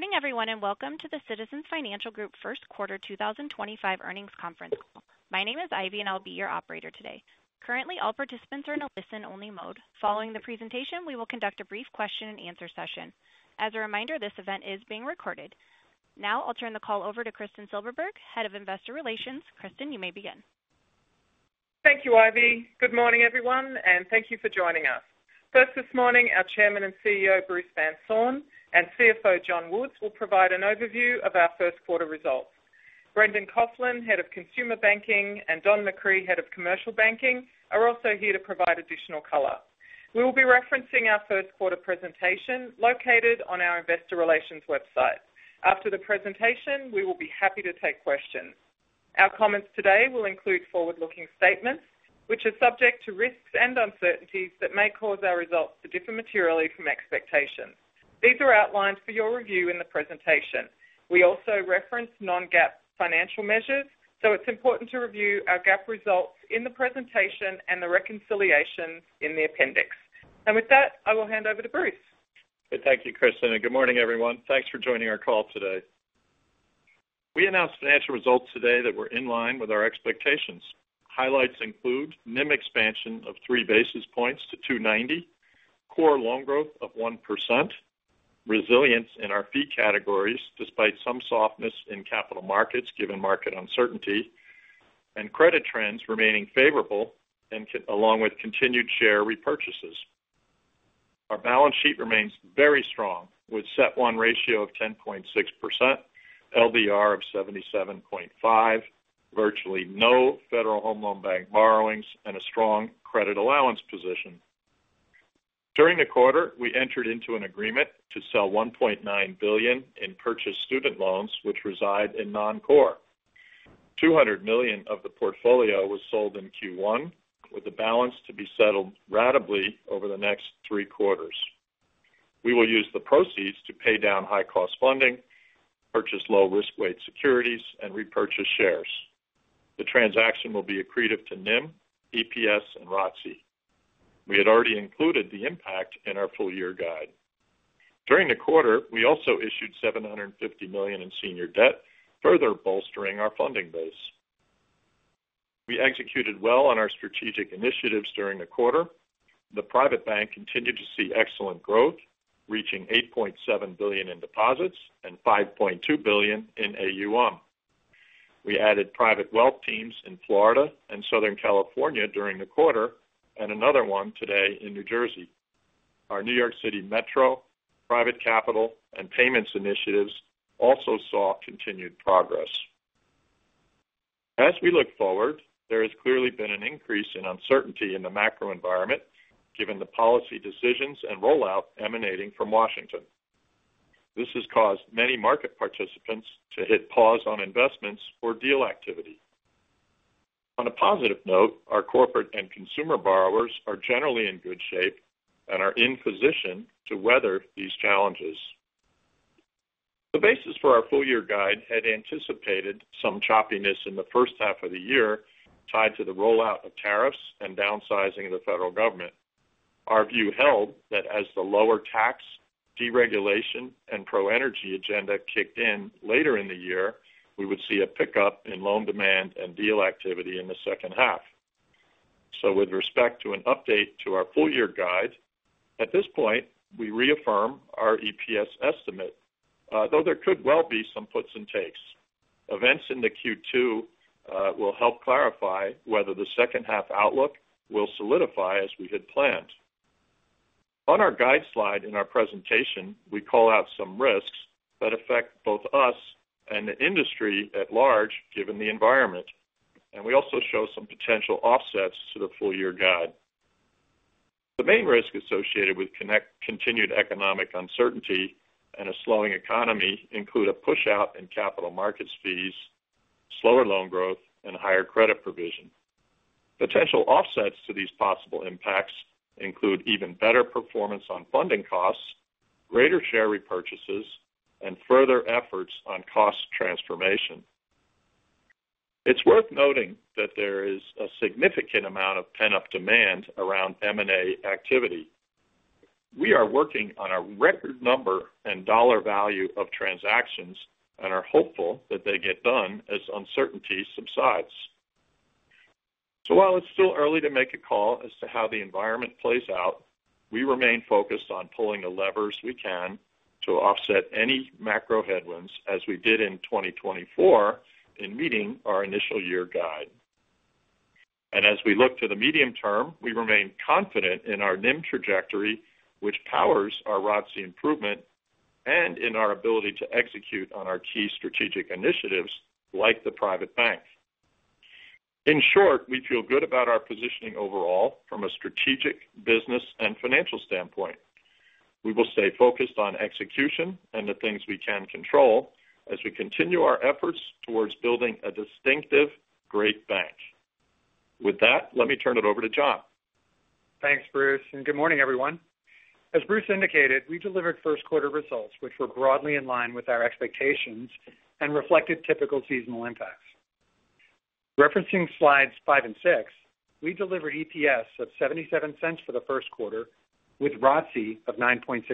Good morning, everyone, and welcome to the Citizens Financial Group First Quarter 2025 Earnings Conference Call. My name is Ivy, and I'll be your operator today. Currently, all participants are in a listen-only mode. Following the presentation, we will conduct a brief question-and-answer session. As a reminder, this event is being recorded. Now, I'll turn the call over to Kristin Silberberg, Head of Investor Relations. Kristin, you may begin. Thank you, Ivy. Good morning, everyone, and thank you for joining us. First, this morning, our Chairman and CEO, Bruce Van Saun, and CFO, John Woods, will provide an overview of our first quarter results. Brendan Coughlin, Head of Consumer Banking, and Don McCree, Head of Commercial Banking, are also here to provide additional color. We will be referencing our first quarter presentation located on our Investor Relations website. After the presentation, we will be happy to take questions. Our comments today will include forward-looking statements, which are subject to risks and uncertainties that may cause our results to differ materially from expectations. These are outlined for your review in the presentation. We also reference non-GAAP financial measures, so it's important to review our GAAP results in the presentation and the reconciliations in the appendix. With that, I will hand over to Bruce. Thank you, Kristin. Good morning, everyone. Thanks for joining our call today. We announced financial results today that were in line with our expectations. Highlights include NIM expansion of three basis points to 2.90%, Core loan growth of 1%, resilience in our fee categories despite some softness in capital markets given market uncertainty, and credit trends remaining favorable along with continued share repurchases. Our balance sheet remains very strong with a CET1 ratio of 10.6%, LDR of 77.5%, virtually no Federal Home Loan Bank borrowings, and a strong credit allowance position. During the quarter, we entered into an agreement to sell $1.9 billion in purchased student loans, which reside in Non-Core. $200 million of the portfolio was sold in Q1, with the balance to be settled ratably over the next three quarters. We will use the proceeds to pay down high-cost funding, purchase low-risk-weight securities, and repurchase shares. The transaction will be accretive to NIM, EPS, and ROTCE. We had already included the impact in our full-year guide. During the quarter, we also issued $750 million in senior debt, further bolstering our funding base. We executed well on our strategic initiatives during the quarter. The Private Bank continued to see excellent growth, reaching $8.7 billion in deposits and $5.2 billion in AUM. We added Private Wealth teams in Florida and Southern California during the quarter, and another one today in New Jersey. Our New York City Metro, private capital, and payments initiatives also saw continued progress. As we look forward, there has clearly been an increase in uncertainty in the macro environment given the policy decisions and rollout emanating from Washington. This has caused many market participants to hit pause on investments or deal activity. On a positive note, our corporate and consumer borrowers are generally in good shape and are in position to weather these challenges. The basis for our full-year guide had anticipated some choppiness in the first half of the year tied to the rollout of tariffs and downsizing of the federal government. Our view held that as the lower tax, deregulation, and pro-energy agenda kicked in later in the year, we would see a pickup in loan demand and deal activity in the second half. With respect to an update to our full-year guide, at this point, we reaffirm our EPS estimate, though there could well be some puts and takes. Events in the Q2 will help clarify whether the second-half outlook will solidify as we had planned. On our guide slide in our presentation, we call out some risks that affect both us and the industry at large given the environment, and we also show some potential offsets to the full-year guide. The main risks associated with continued economic uncertainty and a slowing economy include a push-out in capital markets fees, slower loan growth, and higher credit provision. Potential offsets to these possible impacts include even better performance on funding costs, greater share repurchases, and further efforts on cost transformation. It's worth noting that there is a significant amount of pent-up demand around M&A activity. We are working on a record number and dollar value of transactions and are hopeful that they get done as uncertainty subsides. While it's still early to make a call as to how the environment plays out, we remain focused on pulling the levers we can to offset any macro headwinds as we did in 2024 in meeting our initial year guide. As we look to the medium term, we remain confident in our NIM trajectory, which powers our ROTCE improvement, and in our ability to execute on our key strategic initiatives like the Private Bank. In short, we feel good about our positioning overall from a strategic, business, and financial standpoint. We will stay focused on execution and the things we can control as we continue our efforts towards building a distinctive great bank. With that, let me turn it over to John. Thanks, Bruce. Good morning, everyone. As Bruce indicated, we delivered first-quarter results which were broadly in line with our expectations and reflected typical seasonal impacts. Referencing slides five and six, we delivered EPS of $0.77 for the first quarter with ROTCE of 9.6%.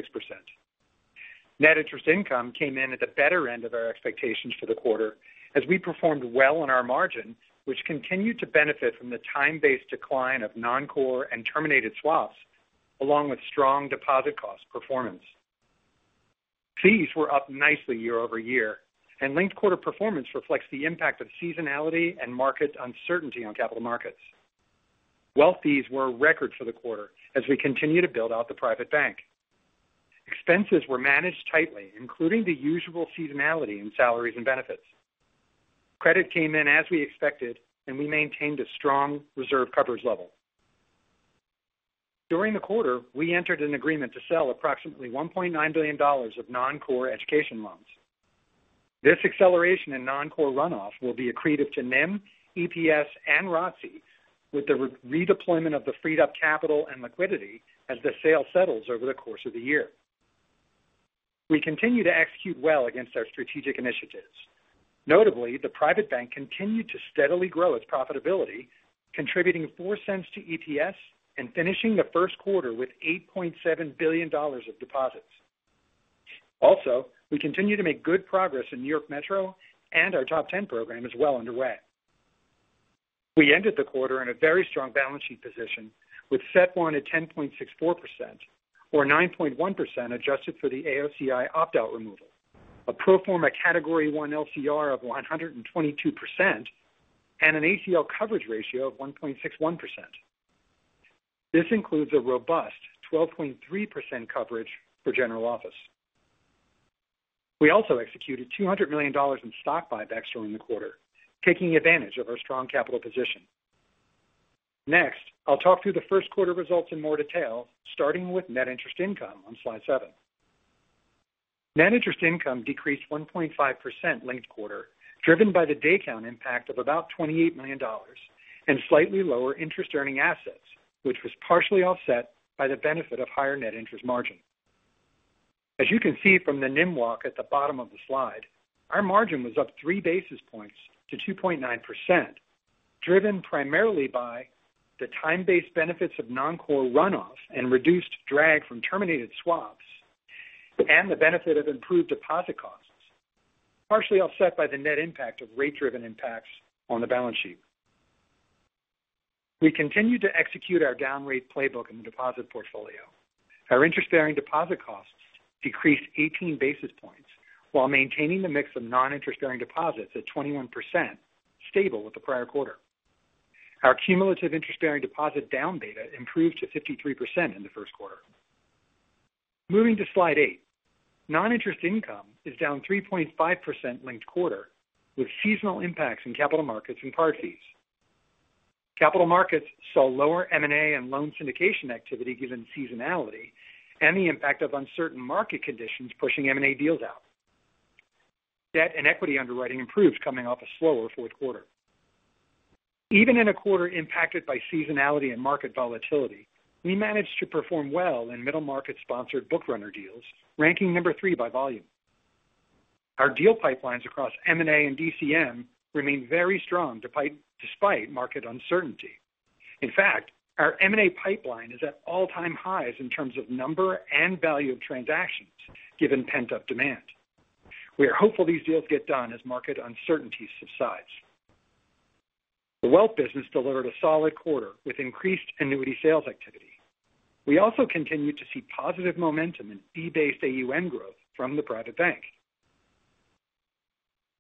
Net interest income came in at the better end of our expectations for the quarter as we performed well on our margin, which continued to benefit from the time-based decline of Non-Core and terminated swaps along with strong deposit cost performance. Fees were up nicely year-over-year, and linked quarter performance reflects the impact of seasonality and market uncertainty on capital markets. Wealth fees were record for the quarter as we continue to build out the Private Bank. Expenses were managed tightly, including the usual seasonality in salaries and benefits. Credit came in as we expected, and we maintained a strong reserve coverage level. During the quarter, we entered an agreement to sell approximately $1.9 billion of Non-Core education loans. This acceleration in Non-Core runoff will be accretive to NIM, EPS, and ROTCE with the redeployment of the freed-up capital and liquidity as the sale settles over the course of the year. We continue to execute well against our strategic initiatives. Notably, the Private Bank continued to steadily grow its profitability, contributing $0.04 to EPS and finishing the first quarter with $8.7 billion of deposits. Also, we continue to make good progress in New York Metro and our TOP 10 program is well underway. We ended the quarter in a very strong balance sheet position with CET1 at 10.64%, or 9.1% adjusted for the AOCI opt-out removal, a pro forma Category I LCR of 122%, and an ACL coverage ratio of 1.61%. This includes a robust 12.3% coverage for General Office. We also executed $200 million in stock buybacks during the quarter, taking advantage of our strong capital position. Next, I'll talk through the first quarter results in more detail, starting with net interest income on slide seven. Net interest income decreased 1.5% linked quarter, driven by the day count impact of about $28 million and slightly lower interest-earning assets, which was partially offset by the benefit of higher net interest margin. As you can see from the NIM walk at the bottom of the slide, our margin was up three basis points to 2.9%, driven primarily by the time-based benefits of Non-Core runoff and reduced drag from terminated swaps and the benefit of improved deposit costs, partially offset by the net impact of rate-driven impacts on the balance sheet. We continued to execute our down-rate playbook in the deposit portfolio. Our interest-bearing deposit costs decreased 18 basis points while maintaining the mix of non-interest-bearing deposits at 21%, stable with the prior quarter. Our cumulative interest-bearing deposit down-beta improved to 53% in the first quarter. Moving to slide eight, non-interest income is down 3.5% linked quarter with seasonal impacts in capital markets and card fees. Capital markets saw lower M&A and loan syndication activity given seasonality and the impact of uncertain market conditions pushing M&A deals out. Debt and equity underwriting improved coming off a slower fourth quarter. Even in a quarter impacted by seasonality and market volatility, we managed to perform well in middle-market-sponsored bookrunner deals, ranking number three by volume. Our deal pipelines across M&A and DCM remain very strong despite market uncertainty. In fact, our M&A pipeline is at all-time highs in terms of number and value of transactions given pent-up demand. We are hopeful these deals get done as market uncertainty subsides. The wealth business delivered a solid quarter with increased annuity sales activity. We also continued to see positive momentum in fee-based AUM growth from the Private Bank.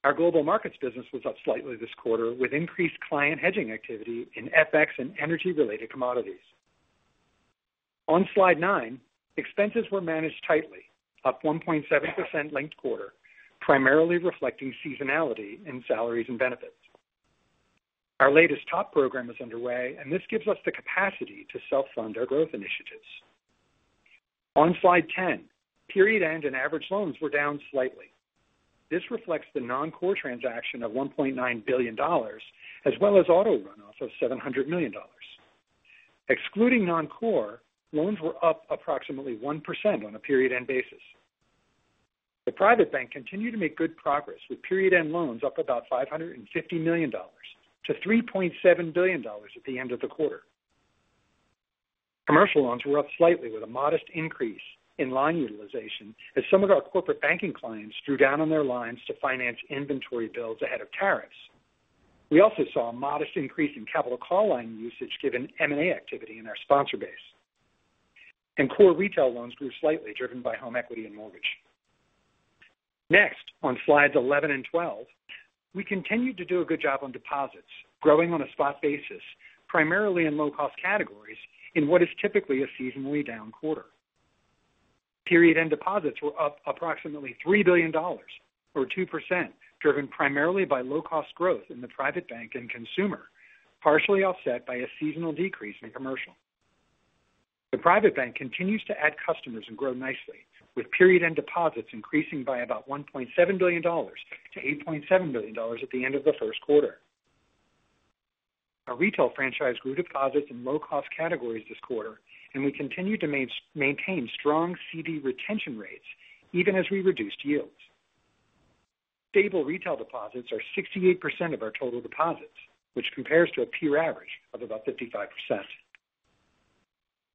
Our Global Markets business was up slightly this quarter with increased client hedging activity in FX and energy-related commodities. On slide nine, expenses were managed tightly, up 1.7% linked quarter, primarily reflecting seasonality in salaries and benefits. Our latest TOP program is underway, and this gives us the capacity to self-fund our growth initiatives. On slide ten, period-end and average loans were down slightly. This reflects the Non-Core transaction of $1.9 billion as well as auto runoff of $700 million. Excluding Non-Core, loans were up approximately 1% on a period end basis. The Private Bank continued to make good progress with period end loans up about $550 million to $3.7 billion at the end of the quarter. Commercial loans were up slightly with a modest increase in line utilization as some of our corporate banking clients drew down on their lines to finance inventory bills ahead of tariffs. We also saw a modest increase in capital call line usage given M&A activity in our sponsor base. Core retail loans grew slightly, driven by home equity and mortgage. Next, on slides 11 and 12, we continued to do a good job on deposits, growing on a spot basis, primarily in low-cost categories in what is typically a seasonally down quarter. Period end deposits were up approximately $3 billion, or 2%, driven primarily by low-cost growth in the Private Bank and Consumer, partially offset by a seasonal decrease in Commercial. The Private Bank continues to add customers and grow nicely, with period end deposits increasing by about $1.7 billion to $8.7 billion at the end of the first quarter. Our retail franchise grew deposits in low-cost categories this quarter, and we continued to maintain strong CD retention rates even as we reduced yields. Stable retail deposits are 68% of our total deposits, which compares to a peer average of about 55%.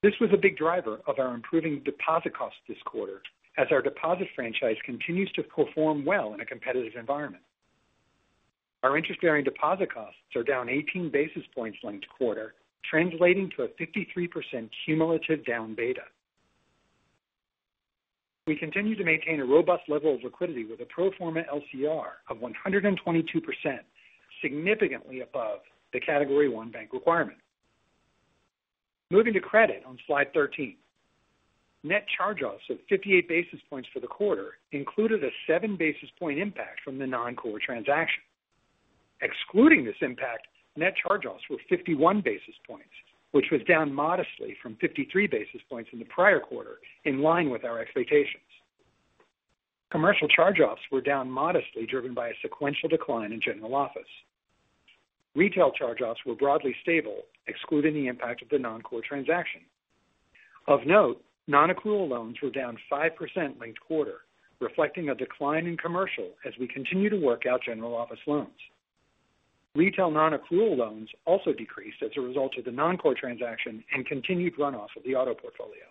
This was a big driver of our improving deposit costs this quarter as our deposit franchise continues to perform well in a competitive environment. Our interest-bearing deposit costs are down 18 basis points linked quarter, translating to a 53% cumulative down beta. We continue to maintain a robust level of liquidity with a pro forma LCR of 122%, significantly above the Category I Bank requirement. Moving to credit on slide 13, net charge-offs of 58 basis points for the quarter included a seven-basis-point impact from the Non-Core transaction. Excluding this impact, net charge-offs were 51 basis points, which was down modestly from 53 basis points in the prior quarter, in line with our expectations. Commercial charge-offs were down modestly, driven by a sequential decline in General Office. Retail charge-offs were broadly stable, excluding the impact of the Non-Core transaction. Of note, non-accrual loans were down 5% linked quarter, reflecting a decline in Commercial as we continue to work out General Office loans. Retail non-accrual loans also decreased as a result of the Non-Core transaction and continued runoff of the auto portfolio.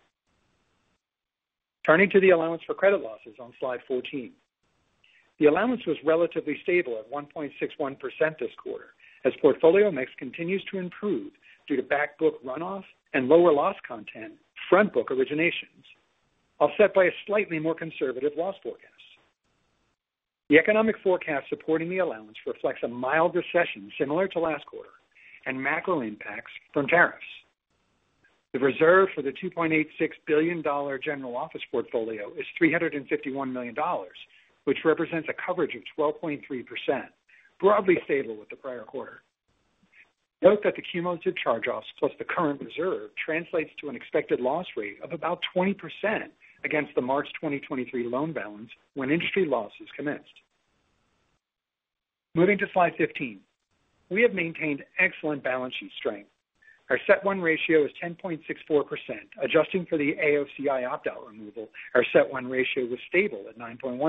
Turning to the allowance for credit losses on slide 14, the allowance was relatively stable at 1.61% this quarter as portfolio mix continues to improve due to back book runoff and lower loss content front book originations, offset by a slightly more conservative loss forecast. The economic forecast supporting the allowance reflects a mild recession similar to last quarter and macro impacts from tariffs. The reserve for the $2.86 billion General Office portfolio is $351 million, which represents a coverage of 12.3%, broadly stable with the prior quarter. Note that the cumulative charge-offs plus the current reserve translates to an expected loss rate of about 20% against the March 2023 loan balance when industry losses commenced. Moving to slide 15, we have maintained excellent balance sheet strength. Our CET1 ratio is 10.64%. Adjusting for the AOCI opt-out removal, our CET1 ratio was stable at 9.1%.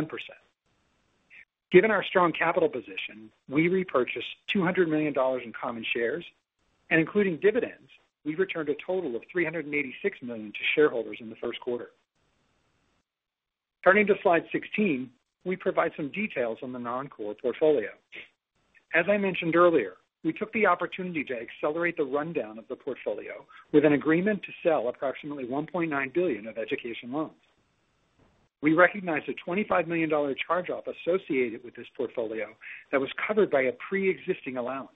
Given our strong capital position, we repurchased $200 million in common shares, and including dividends, we returned a total of $386 million to shareholders in the first quarter. Turning to slide 16, we provide some details on the Non-Core portfolio. As I mentioned earlier, we took the opportunity to accelerate the rundown of the portfolio with an agreement to sell approximately $1.9 billion of education loans. We recognize a $25 million charge-off associated with this portfolio that was covered by a pre-existing allowance.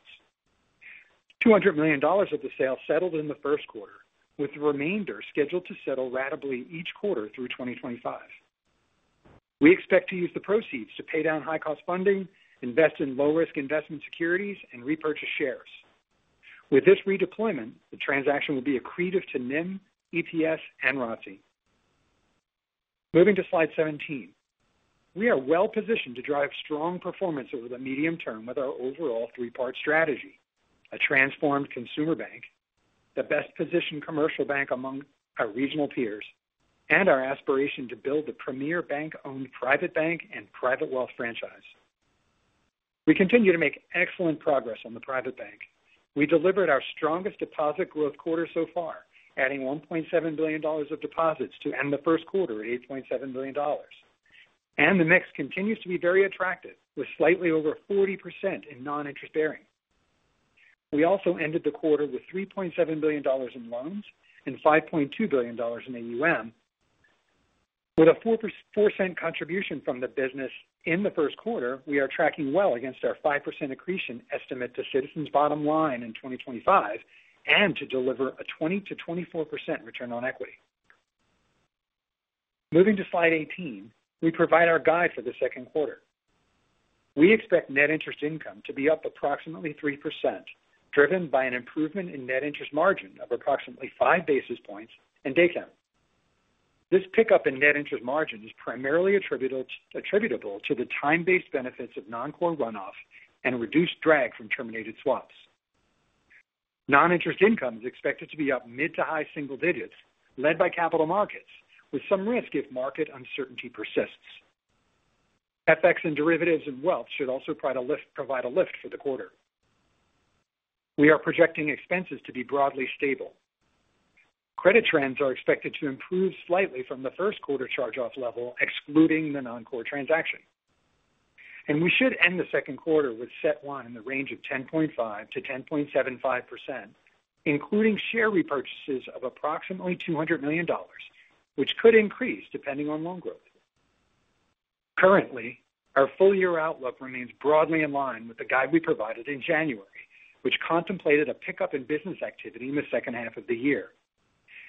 $200 million of the sale settled in the first quarter, with the remainder scheduled to settle ratably each quarter through 2025. We expect to use the proceeds to pay down high-cost funding, invest in low-risk investment securities, and repurchase shares. With this redeployment, the transaction will be accretive to NIM, EPS, and ROTCE. Moving to slide 17, we are well-positioned to drive strong performance over the medium term with our overall three-part strategy: a transformed consumer bank, the best-positioned commercial bank among our regional peers, and our aspiration to build the premier bank-owned Private Bank and Private Wealth franchise. We continue to make excellent progress on the Private Bank. We delivered our strongest deposit growth quarter so far, adding $1.7 billion of deposits to end the first quarter at $8.7 billion. The mix continues to be very attractive with slightly over 40% in non-interest bearing. We also ended the quarter with $3.7 billion in loans and $5.2 billion in AUM. With a 4% contribution from the business in the first quarter, we are tracking well against our 5% accretion estimate to Citizens' bottom line in 2025 and to deliver a 20%-24% return on equity. Moving to slide 18, we provide our guide for the second quarter. We expect net interest income to be up approximately 3%, driven by an improvement in net interest margin of approximately five basis points and day count. This pickup in net interest margin is primarily attributable to the time-based benefits of Non-Core runoff and reduced drag from terminated swaps. Non-interest income is expected to be up mid-to-high single digits, led by capital markets, with some risk if market uncertainty persists. FX and derivatives and wealth should also provide a lift for the quarter. We are projecting expenses to be broadly stable. Credit trends are expected to improve slightly from the first quarter charge-off level, excluding the Non-Core transaction. We should end the second quarter with CET1 in the range of 10.5%-10.75%, including share repurchases of approximately $200 million, which could increase depending on loan growth. Currently, our full-year outlook remains broadly in line with the guide we provided in January, which contemplated a pickup in business activity in the second half of the year.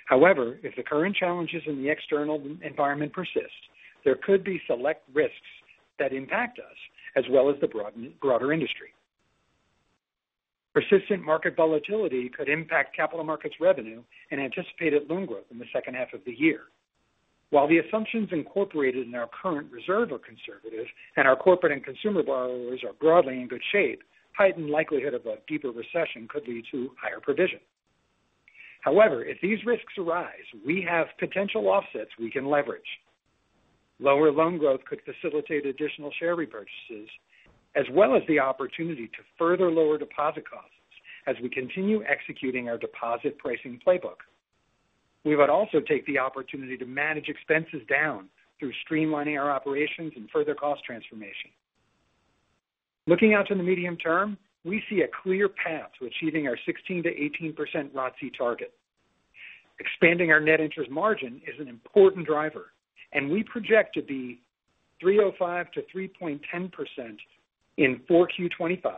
However, if the current challenges in the external environment persist, there could be select risks that impact us as well as the broader industry. Persistent market volatility could impact capital markets revenue and anticipated loan growth in the second half of the year. While the assumptions incorporated in our current reserve are conservative and our corporate and consumer borrowers are broadly in good shape, heightened likelihood of a deeper recession could lead to higher provision. However, if these risks arise, we have potential offsets we can leverage. Lower loan growth could facilitate additional share repurchases as well as the opportunity to further lower deposit costs as we continue executing our deposit pricing playbook. We would also take the opportunity to manage expenses down through streamlining our operations and further cost transformation. Looking out to the medium term, we see a clear path to achieving our 16%-18% ROTCE target. Expanding our net interest margin is an important driver, and we project to be 3.05%-3.10% in 4Q 2025,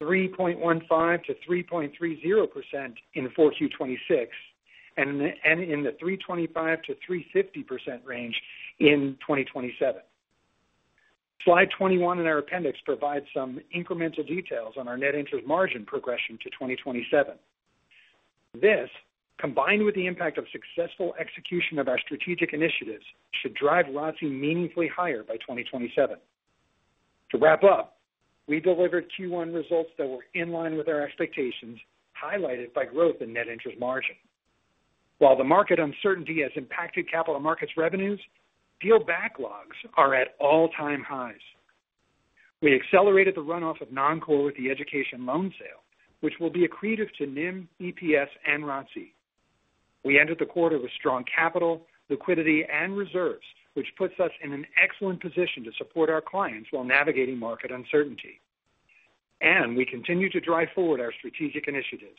3.15%-3.30% in 4Q 2026, and in the 3.25%-3.50% range in 2027. Slide 21 in our appendix provides some incremental details on our net interest margin progression to 2027. This, combined with the impact of successful execution of our strategic initiatives, should drive ROTCE meaningfully higher by 2027. To wrap up, we delivered Q1 results that were in line with our expectations, highlighted by growth in net interest margin. While the market uncertainty has impacted capital markets revenues, deal backlogs are at all-time highs. We accelerated the runoff of Non-Core with the education loan sale, which will be accretive to NIM, EPS, and ROTCE. We entered the quarter with strong capital, liquidity, and reserves, which puts us in an excellent position to support our clients while navigating market uncertainty. We continue to drive forward our strategic initiatives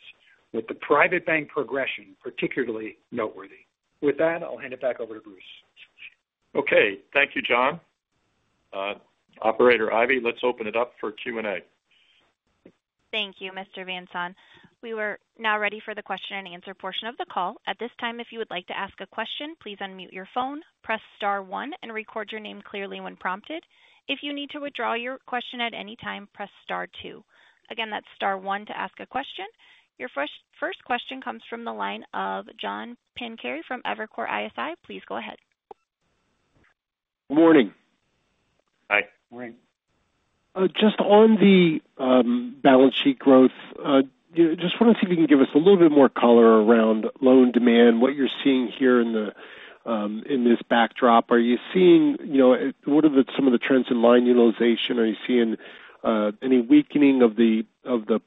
with the Private Bank progression, particularly noteworthy. With that, I'll hand it back over to Bruce. Thank you, John. Operator Ivy, let's open it up for Q&A. Thank you, Mr. Van Saun. We are now ready for the question-and-answer portion of the call. At this time, if you would like to ask a question, please unmute your phone, press star one, and record your name clearly when prompted. If you need to withdraw your question at any time, press star two. Again, that's star one to ask a question. Your first question comes from the line of John Pancari from Evercore ISI. Please go ahead. Morning. Hi. Morning. Just on the balance sheet growth, just want to see if you can give us a little bit more color around loan demand, what you're seeing here in this backdrop. Are you seeing what are some of the trends in line utilization? Are you seeing any weakening of the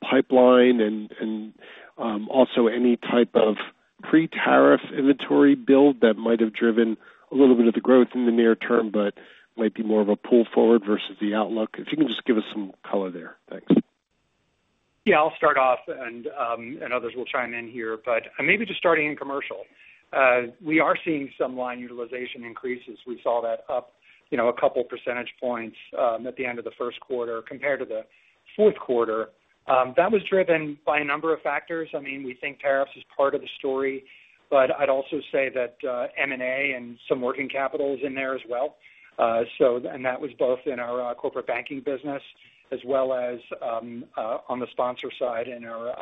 pipeline and also any type of pre-tariff inventory build that might have driven a little bit of the growth in the near term, but might be more of a pull forward versus the outlook? If you can just give us some color there. Thanks. Yeah. I'll start off, and others will chime in here. Maybe just starting in commercial, we are seeing some line utilization increases. We saw that up a couple percentage points at the end of the first quarter compared to the fourth quarter. That was driven by a number of factors. I mean, we think tariffs is part of the story, but I'd also say that M&A and some working capital is in there as well. That was both in our corporate banking business as well as on the sponsor side in our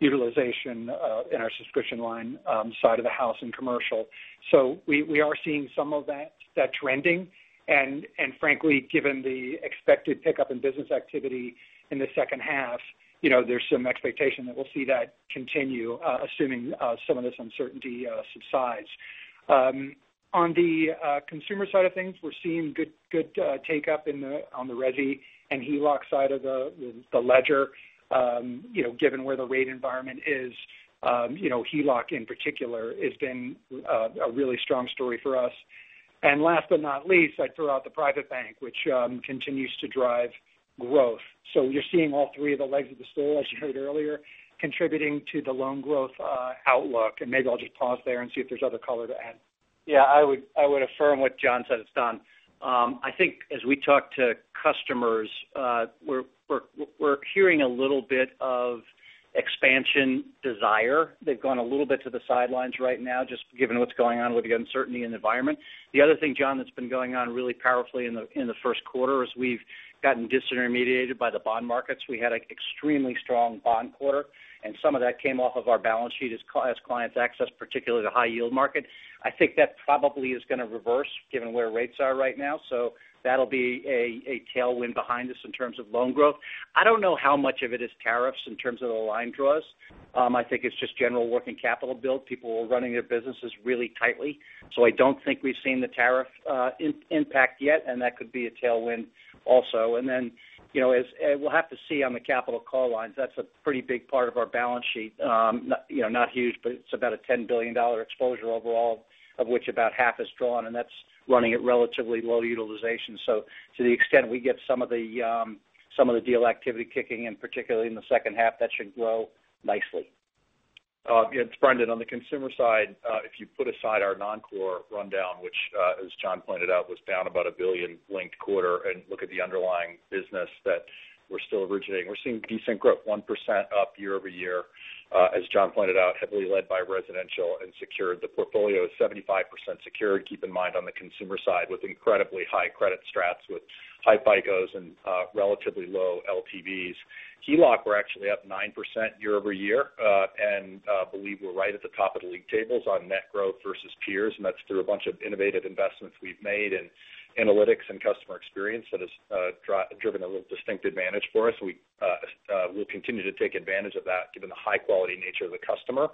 utilization in our subscription line side of the house in Commercial. We are seeing some of that trending. Frankly, given the expected pickup in business activity in the second half, there's some expectation that we'll see that continue, assuming some of this uncertainty subsides. On the Consumer side of things, we're seeing good take-up on the Resi and HELOC side of the ledger, given where the rate environment is. HELOC, in particular, has been a really strong story for us. Last but not least, I throw out the Private Bank, which continues to drive growth. You are seeing all three of the legs of the stool, as you heard earlier, contributing to the loan growth outlook. Maybe I will just pause there and see if there is other color to add. Yeah. I would affirm what John said, John. I think as we talk to customers, we are hearing a little bit of expansion desire. They have gone a little bit to the sidelines right now, just given what is going on with the uncertainty in the environment. The other thing, John, that has been going on really powerfully in the first quarter is we have gotten disintermediated by the bond markets. We had an extremely strong bond quarter, and some of that came off of our balance sheet as clients accessed, particularly the high-yield market. I think that probably is going to reverse given where rates are right now. That will be a tailwind behind us in terms of loan growth. I do not know how much of it is tariffs in terms of the line draws. I think it is just general working capital build. People are running their businesses really tightly. I do not think we have seen the tariff impact yet, and that could be a tailwind also. We will have to see on the capital call lines. That is a pretty big part of our balance sheet. Not huge, but it is about a $10 billion exposure overall, of which about half is drawn, and that is running at relatively low utilization. To the extent we get some of the deal activity kicking in, particularly in the second half, that should grow nicely. It's Brendan. On the consumer side, if you put aside our Non-Core rundown, which, as John pointed out, was down about $1 billion linked quarter, and look at the underlying business that we're still originating, we're seeing decent growth, 1% up year-over-year, as John pointed out, heavily led by residential and secured. The portfolio is 75% secured. Keep in mind on the consumer side with incredibly high credit strats with high FICOs and relatively low LTVs. HELOC, we're actually up 9% year-over-year and believe we're right at the top of the league tables on net growth versus peers. That's through a bunch of innovative investments we've made in analytics and customer experience that has driven a real distinct advantage for us. We'll continue to take advantage of that given the high-quality nature of the customer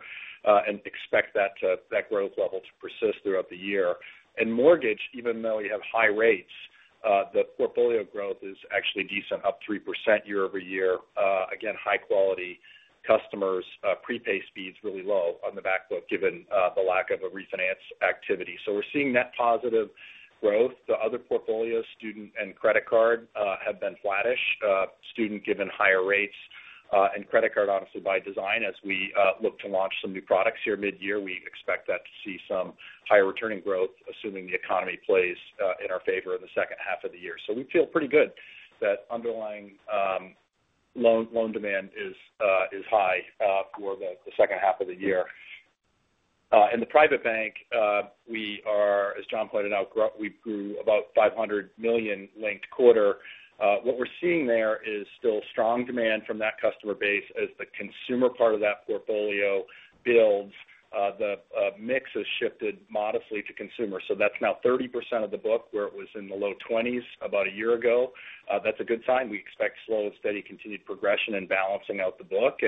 and expect that growth level to persist throughout the year. Mortgage, even though we have high rates, the portfolio growth is actually decent, up 3% year-over-year. Again, high-quality customers, prepay speeds really low on the back foot given the lack of a refinance activity. We're seeing net positive growth. The other portfolio, student and credit card, have been flattish. Student given higher rates and credit card, obviously by design, as we look to launch some new products here mid-year, we expect that to see some higher returning growth, assuming the economy plays in our favor in the second half of the year. We feel pretty good that underlying loan demand is high for the second half of the year. In the Private Bank, we are, as John pointed out, we grew about $500 million linked quarter. What we're seeing there is still strong demand from that customer base as the consumer part of that portfolio builds. The mix has shifted modestly to consumer. So that's now 30% of the book where it was in the low 20s about a year ago. That's a good sign. We expect slow and steady continued progression and balancing out the book.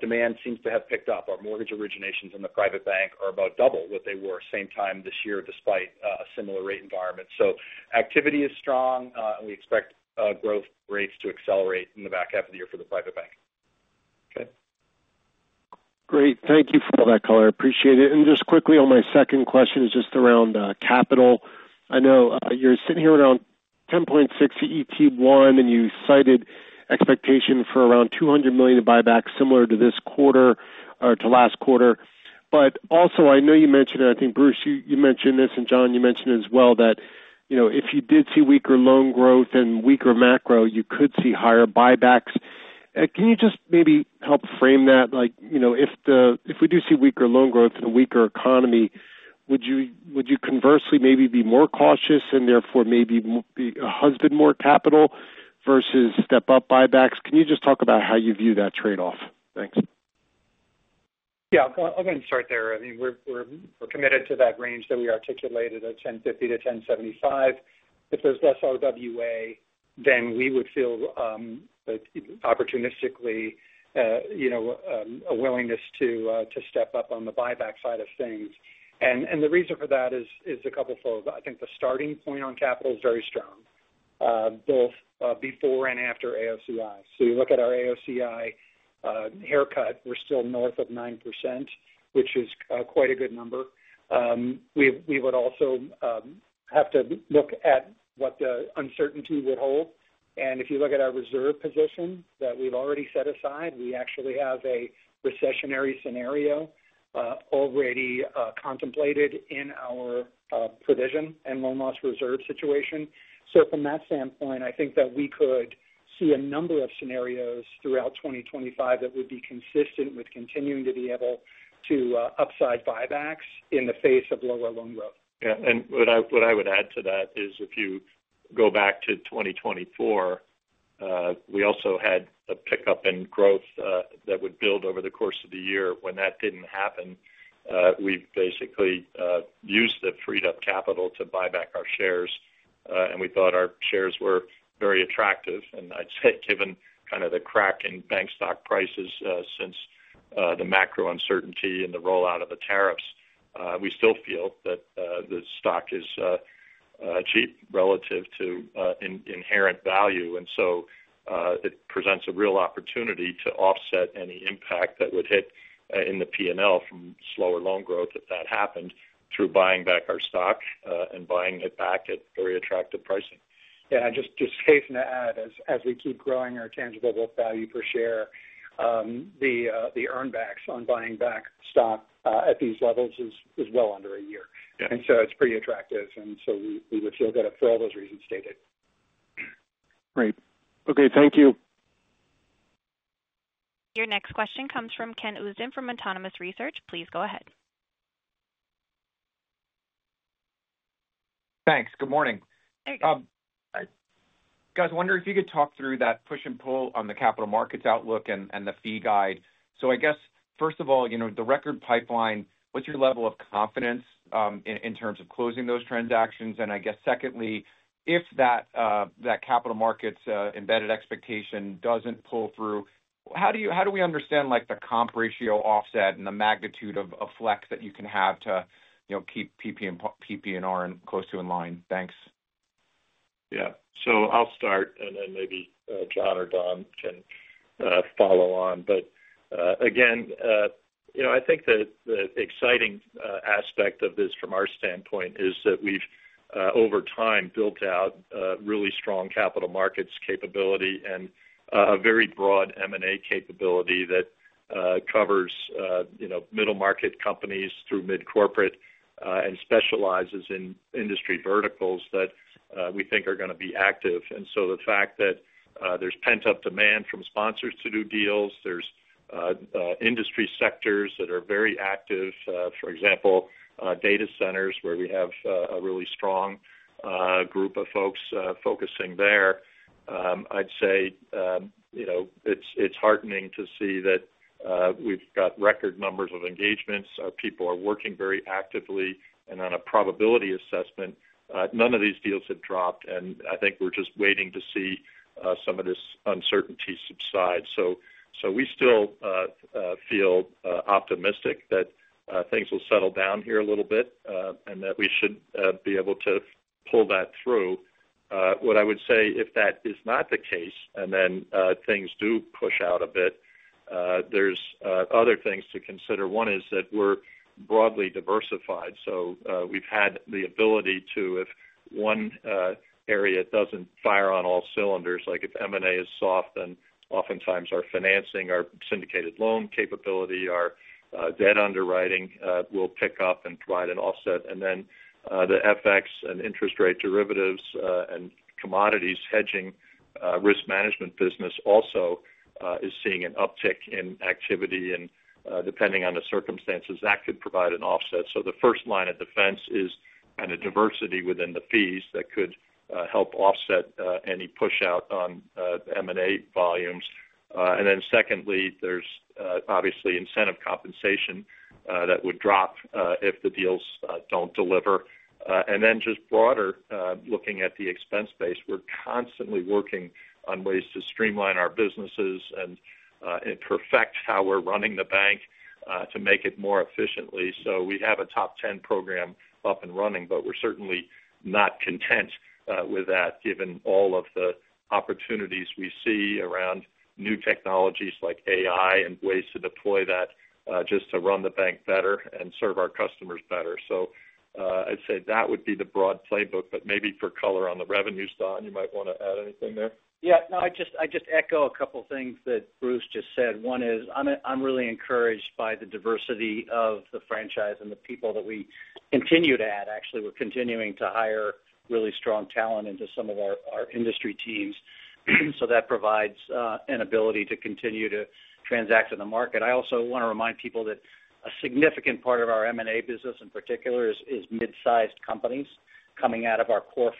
Demand seems to have picked up. Our mortgage originations in the Private Bank are about double what they were same time this year despite a similar rate environment. Activity is strong, and we expect growth rates to accelerate in the back half of the year for the Private Bank. Okay. Great. Thank you for all that color. I appreciate it. Just quickly, on my second question is just around capital. I know you're sitting here around 10.6% CET1, and you cited expectation for around $200 million buybacks similar to this quarter or to last quarter. I know you mentioned, and I think Bruce, you mentioned this, and John, you mentioned as well that if you did see weaker loan growth and weaker macro, you could see higher buybacks. Can you just maybe help frame that? If we do see weaker loan growth and a weaker economy, would you conversely maybe be more cautious and therefore maybe husband more capital versus step-up buybacks? Can you just talk about how you view that trade-off? Thanks. Yeah. I'll go ahead and start there. I mean, we're committed to that range that we articulated of 10.50%-10.75%. If there's less RWA, then we would feel opportunistically a willingness to step up on the buyback side of things. The reason for that is a couple of folks. I think the starting point on capital is very strong, both before and after AOCI. You look at our AOCI haircut, we're still north of 9%, which is quite a good number. We would also have to look at what the uncertainty would hold. If you look at our reserve position that we've already set aside, we actually have a recessionary scenario already contemplated in our provision and loan loss reserve situation. From that standpoint, I think that we could see a number of scenarios throughout 2025 that would be consistent with continuing to be able to upside buybacks in the face of lower loan growth. Yeah. What I would add to that is if you go back to 2024, we also had a pickup in growth that would build over the course of the year. When that did not happen, we basically used the freed-up capital to buy back our shares, and we thought our shares were very attractive. I would say given kind of the crack in bank stock prices since the macro uncertainty and the rollout of the tariffs, we still feel that the stock is cheap relative to inherent value. It presents a real opportunity to offset any impact that would hit in the P&L from slower loan growth if that happened through buying back our stock and buying it back at very attractive pricing. Yeah. Just case to add, as we keep growing our tangible book value per share, the earnbacks on buying back stock at these levels is well under a year. It is pretty attractive. We would feel good for all those reasons stated. Great. Okay. Thank you. Your next question comes from Ken Usdin from Autonomous Research. Please go ahead. Thanks. Good morning. There you go. Guys, I wonder if you could talk through that push and pull on the capital markets outlook and the fee guide. I guess, first of all, the record pipeline, what's your level of confidence in terms of closing those transactions? I guess, secondly, if that capital markets embedded expectation doesn't pull through, how do we understand the comp ratio offset and the magnitude of flex that you can have to keep PPNR close to in line? Thanks. Yeah. I'll start, and then maybe John or Don can follow on. I think the exciting aspect of this from our standpoint is that we've, over time, built out really strong capital markets capability and a very broad M&A capability that covers middle market companies through mid-corporate and specializes in industry verticals that we think are going to be active. The fact that there's pent-up demand from sponsors to do deals, there's industry sectors that are very active, for example, data centers where we have a really strong group of folks focusing there. I'd say it's heartening to see that we've got record numbers of engagements. People are working very actively. On a probability assessment, none of these deals have dropped. I think we're just waiting to see some of this uncertainty subside. We still feel optimistic that things will settle down here a little bit and that we should be able to pull that through. What I would say, if that is not the case, and then things do push out a bit, there are other things to consider. One is that we are broadly diversified. We have had the ability to, if one area does not fire on all cylinders, like if M&A is soft, then oftentimes our financing, our syndicated loan capability, our debt underwriting will pick up and provide an offset. The FX and interest rate derivatives and commodities hedging risk management business also is seeing an uptick in activity. Depending on the circumstances, that could provide an offset. The first line of defense is kind of diversity within the fees that could help offset any push out on M&A volumes. There is obviously incentive compensation that would drop if the deals do not deliver. Just more broadly looking at the expense base, we are constantly working on ways to streamline our businesses and perfect how we are running the bank to make it more efficient. We have a TOP 10 program up and running, but we are certainly not content with that given all of the opportunities we see around new technologies like AI and ways to deploy that to run the bank better and serve our customers better. I would say that would be the broad playbook. Maybe for color on the revenues, Don, you might want to add anything there? Yeah. No, I just echo a couple of things that Bruce just said. One is I am really encouraged by the diversity of the franchise and the people that we continue to add. Actually, we're continuing to hire really strong talent into some of our industry teams. That provides an ability to continue to transact in the market. I also want to remind people that a significant part of our M&A business in particular is mid-sized companies coming out of our Core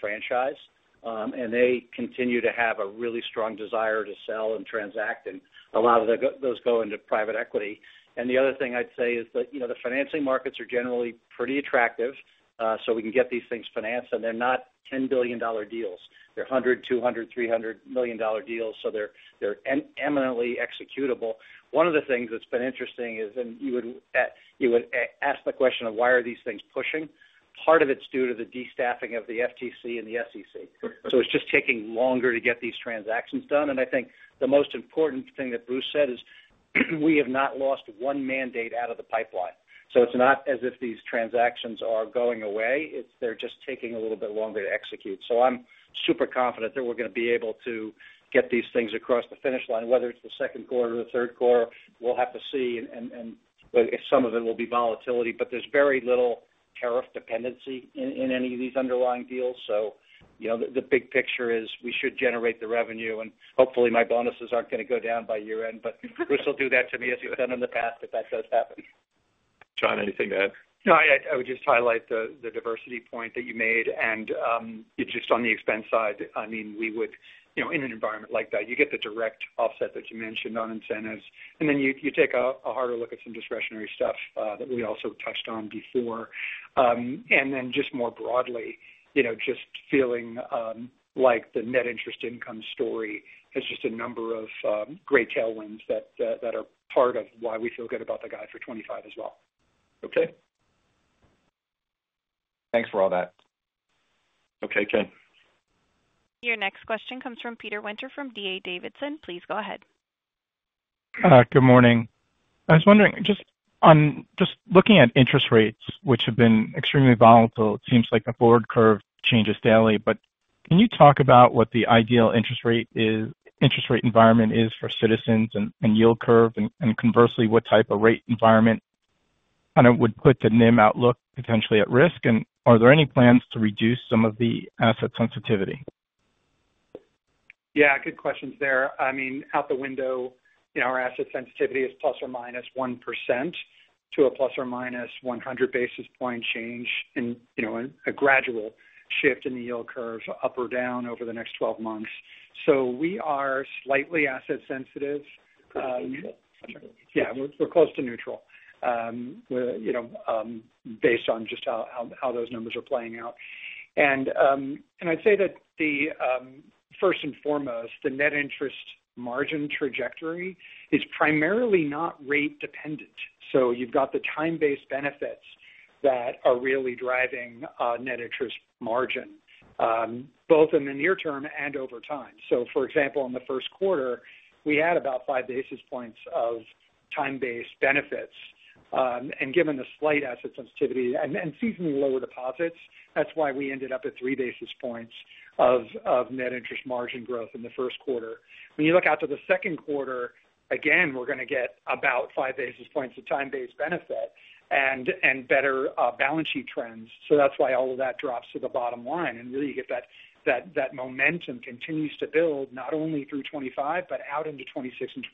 franchise. They continue to have a really strong desire to sell and transact. A lot of those go into private equity. The other thing I'd say is that the financing markets are generally pretty attractive. We can get these things financed. They're not $10 billion deals. They're $100 million, $200 million, $300 million deals. They're eminently executable. One of the things that's been interesting is, and you would ask the question of why are these things pushing? Part of it's due to the destaffing of the FTC and the SEC. It is just taking longer to get these transactions done. I think the most important thing that Bruce said is we have not lost one mandate out of the pipeline. It is not as if these transactions are going away. They are just taking a little bit longer to execute. I am super confident that we are going to be able to get these things across the finish line, whether it is the second quarter or the third quarter. We will have to see. Some of it will be volatility. There is very little tariff dependency in any of these underlying deals. The big picture is we should generate the revenue. Hopefully, my bonuses are not going to go down by year end. Bruce will do that to me as he has done in the past if that does happen. John, anything to add? No, I would just highlight the diversity point that you made. Just on the expense side, I mean, we would, in an environment like that, you get the direct offset that you mentioned on incentives. You take a harder look at some discretionary stuff that we also touched on before. More broadly, just feeling like the net interest income story is just a number of great tailwinds that are part of why we feel good about the guide for 2025 as well. Okay. Thanks for all that. Okay, Ken. Your next question comes from Peter Winter from D.A. Davidson. Please go ahead. Good morning. I was wondering, just looking at interest rates, which have been extremely volatile, it seems like the forward curve changes daily. Can you talk about what the ideal interest rate environment is for Citizens and yield curve? Conversely, what type of rate environment kind of would put the NIM outlook potentially at risk? Are there any plans to reduce some of the asset sensitivity? Yeah, good questions there. I mean, out the window, our asset sensitivity is ±1% to a ±100 basis point change and a gradual shift in the yield curve up or down over the next 12 months. We are slightly asset sensitive. Yeah, we're close to neutral based on just how those numbers are playing out. I'd say that first and foremost, the net interest margin trajectory is primarily not rate dependent. You have the time-based benefits that are really driving net interest margin, both in the near term and over time. For example, in the first quarter, we had about five basis points of time-based benefits. Given the slight asset sensitivity and seasonally lower deposits, that is why we ended up at three basis points of net interest margin growth in the first quarter. When you look out to the second quarter, again, we are going to get about five basis points of time-based benefit and better balance sheet trends. That is why all of that drops to the bottom line. Really, you get that momentum continues to build not only through 2025, but out into 2026 and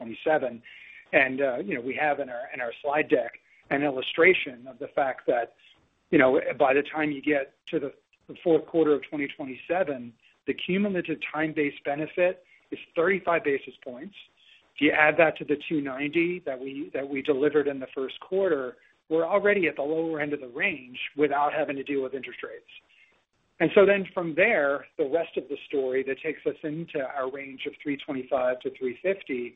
2027. We have in our slide deck an illustration of the fact that by the time you get to the fourth quarter of 2027, the cumulative time-based benefit is 35 basis points. If you add that to the 2.90% that we delivered in the first quarter, we are already at the lower end of the range without having to deal with interest rates. From there, the rest of the story that takes us into our range of 3.25%-3.50%,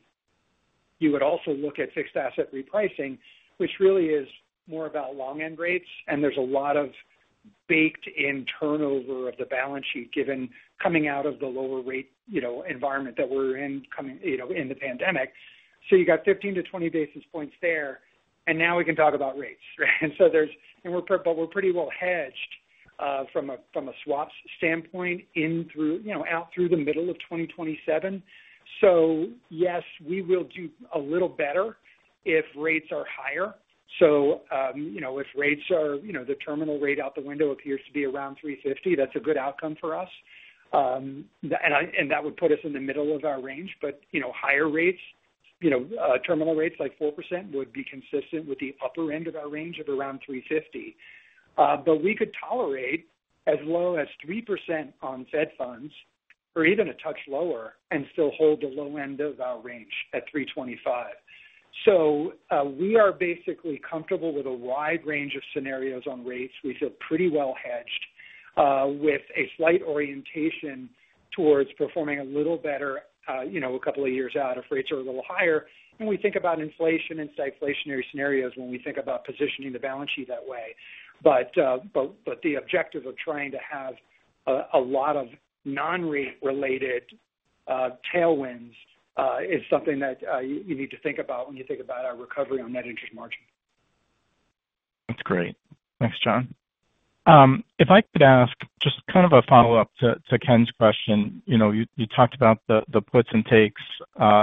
you would also look at fixed asset repricing, which really is more about long-end rates. There is a lot of baked-in turnover of the balance sheet given coming out of the lower rate environment that we are in in the pandemic. You got 15 basis points-20 basis points there. Now we can talk about rates. We are pretty well hedged from a swap standpoint out through the middle of 2027. Yes, we will do a little better if rates are higher. If rates are the terminal rate out the window appears to be around 3.50%, that is a good outcome for us. That would put us in the middle of our range. Higher rates, terminal rates like 4% would be consistent with the upper end of our range of around 3.50%. We could tolerate as low as 3% on Fed funds or even a touch lower and still hold the low end of our range at 3.25.% We are basically comfortable with a wide range of scenarios on rates. We feel pretty well hedged with a slight orientation towards performing a little better a couple of years out if rates are a little higher. We think about inflation and stagflationary scenarios when we think about positioning the balance sheet that way. The objective of trying to have a lot of non-rate-related tailwinds is something that you need to think about when you think about our recovery on net interest margin. That's great. Thanks, John. If I could ask just kind of a follow-up to Ken's question, you talked about the puts and takes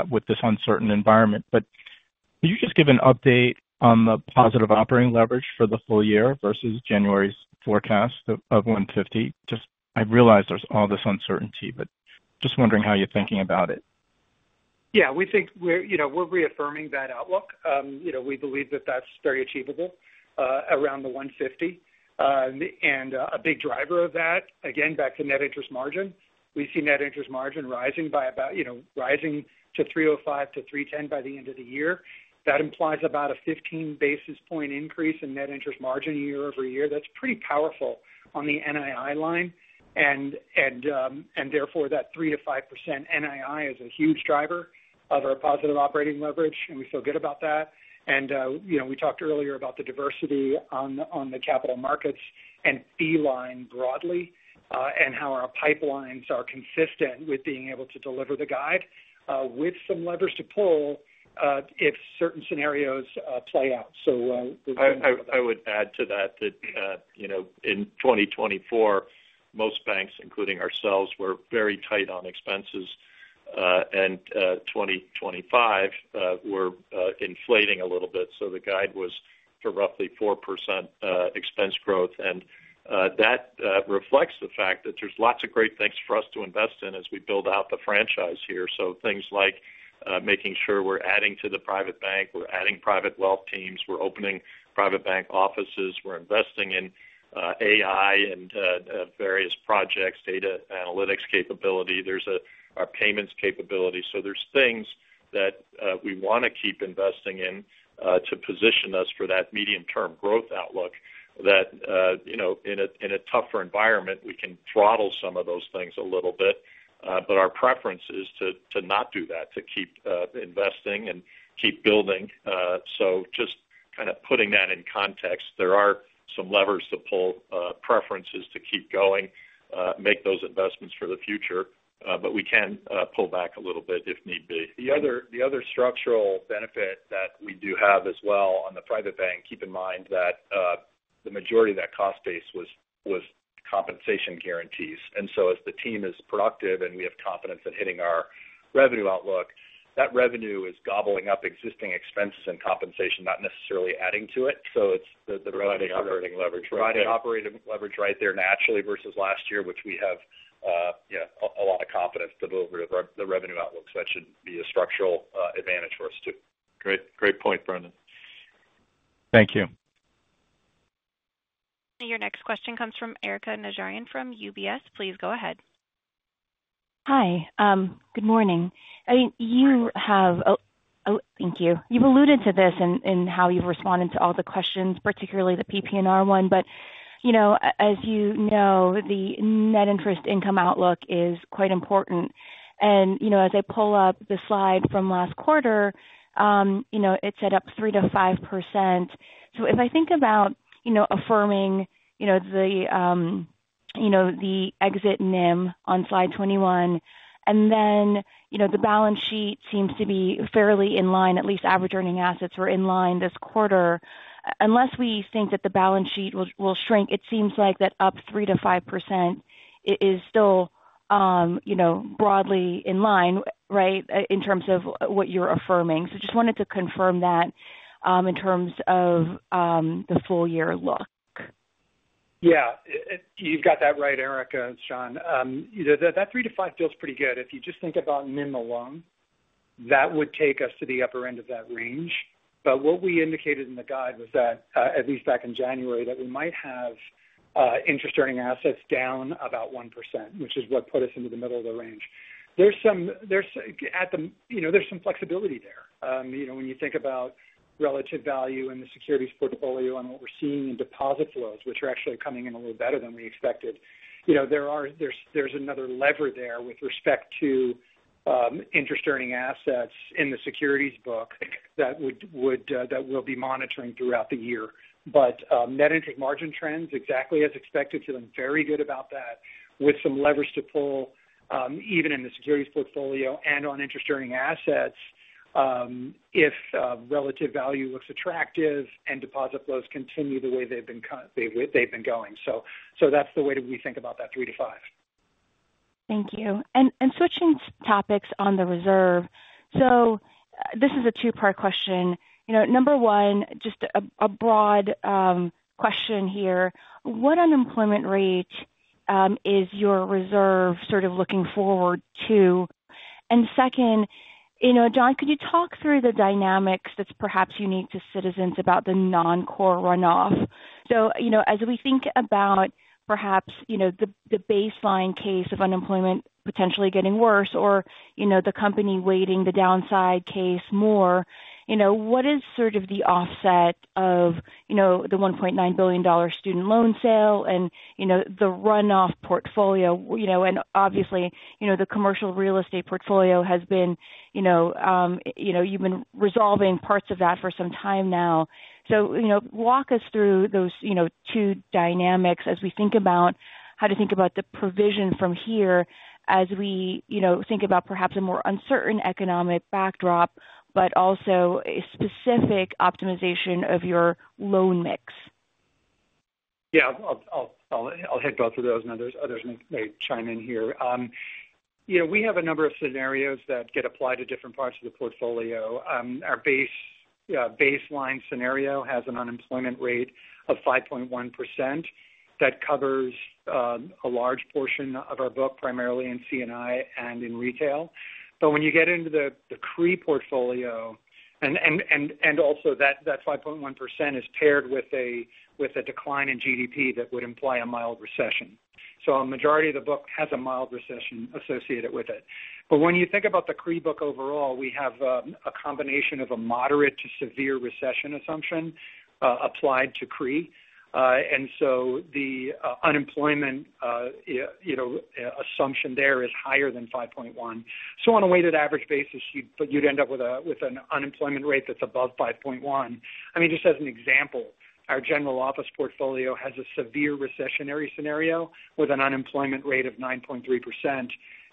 with this uncertain environment. Could you just give an update on the positive operating leverage for the full year versus January's forecast of 1.50%? I realize there's all this uncertainty, just wondering how you're thinking about it. Yeah, we think we're reaffirming that outlook. We believe that that's very achievable around the 1.50%. A big driver of that, again, back to net interest margin. We see net interest margin rising to 3.05%-3.10% by the end of the year. That implies about a 15 basis point increase in net interest margin year-over-year. That's pretty powerful on the NII line. Therefore, that 3%-5% NII is a huge driver of our positive operating leverage. We feel good about that. We talked earlier about the diversity on the capital markets and fee line broadly and how our pipelines are consistent with being able to deliver the guide with some levers to pull if certain scenarios play out. I would add to that that in 2024, most banks, including ourselves, were very tight on expenses. In 2025, we're inflating a little bit. The guide was for roughly 4% expense growth. That reflects the fact that there's lots of great things for us to invest in as we build out the franchise here. Things like making sure we're adding to the Private Bank, we're adding Private Wealth teams, we're opening Private Bank offices, we're investing in AI and various projects, data analytics capability. There's our payments capability. There are things that we want to keep investing in to position us for that medium-term growth outlook that in a tougher environment, we can throttle some of those things a little bit. Our preference is to not do that, to keep investing and keep building. Just kind of putting that in context, there are some levers to pull, preferences to keep going, make those investments for the future. We can pull back a little bit if need be. The other structural benefit that we do have as well on the Private Bank, keep in mind that the majority of that cost base was compensation guarantees. As the team is productive and we have confidence in hitting our revenue outlook, that revenue is gobbling up existing expenses and compensation, not necessarily adding to it. It is providing operating leverage right there naturally versus last year, which we have a lot of confidence to deliver the revenue outlook. That should be a structural advantage for us too. Great. Great point, Brendan. Thank you. Your next question comes from Erika Najarian from UBS. Please go ahead. Hi. Good morning. I mean, thank you. You have alluded to this in how you have responded to all the questions, particularly the PPNR I As you know, the net interest income outlook is quite important. As I pull up the slide from last quarter, it is at up 3%-5%. If I think about affirming the exit NIM on slide 21, and then the balance sheet seems to be fairly in line, at least average earning assets were in line this quarter. Unless we think that the balance sheet will shrink, it seems like that up 3%-5% is still broadly in line, right, in terms of what you're affirming. Just wanted to confirm that in terms of the full year look. Yeah. You've got that right, Erika and John. That 3%-5% feels pretty good. If you just think about NIM alone, that would take us to the upper end of that range. What we indicated in the guide was that, at least back in January, we might have interest earning assets down about 1%, which is what put us into the middle of the range. There's some flexibility there. When you think about relative value in the securities portfolio and what we're seeing in deposit flows, which are actually coming in a little better than we expected, there's another lever there with respect to interest earning assets in the securities book that we'll be monitoring throughout the year. Net interest margin trends, exactly as expected, feeling very good about that with some levers to pull even in the securities portfolio and on interest earning assets if relative value looks attractive and deposit flows continue the way they've been going. That's the way we think about that 3%-5%. Thank you. Switching topics on the reserve, this is a two-part question. Number one, just a broad question here. What unemployment rate is your reserve sort of looking forward to? Second, John, could you talk through the dynamics that's perhaps unique to Citizens about the Non-Core runoff? As we think about perhaps the baseline case of unemployment potentially getting worse or the company weighting the downside case more, what is sort of the offset of the $1.9 billion student loan sale and the runoff portfolio? Obviously, the commercial real estate portfolio has been, you've been resolving parts of that for some time now. Walk us through those two dynamics as we think about how to think about the provision from here as we think about perhaps a more uncertain economic backdrop, but also a specific optimization of your loan mix. Yeah. I'll head you all through those. Others may chime in here. We have a number of scenarios that get applied to different parts of the portfolio. Our baseline scenario has an unemployment rate of 5.1% that covers a large portion of our book, primarily in C&I and in retail. When you get into the CRE portfolio, and also that 5.1% is paired with a decline in GDP that would imply a mild recession. A majority of the book has a mild recession associated with it. When you think about the CRE book overall, we have a combination of a moderate to severe recession assumption applied to CRE. The unemployment assumption there is higher than 5.1%. On a weighted average basis, you'd end up with an unemployment rate that's above 5.1%. I mean, just as an example, our General Office portfolio has a severe recessionary scenario with an unemployment rate of 9.3%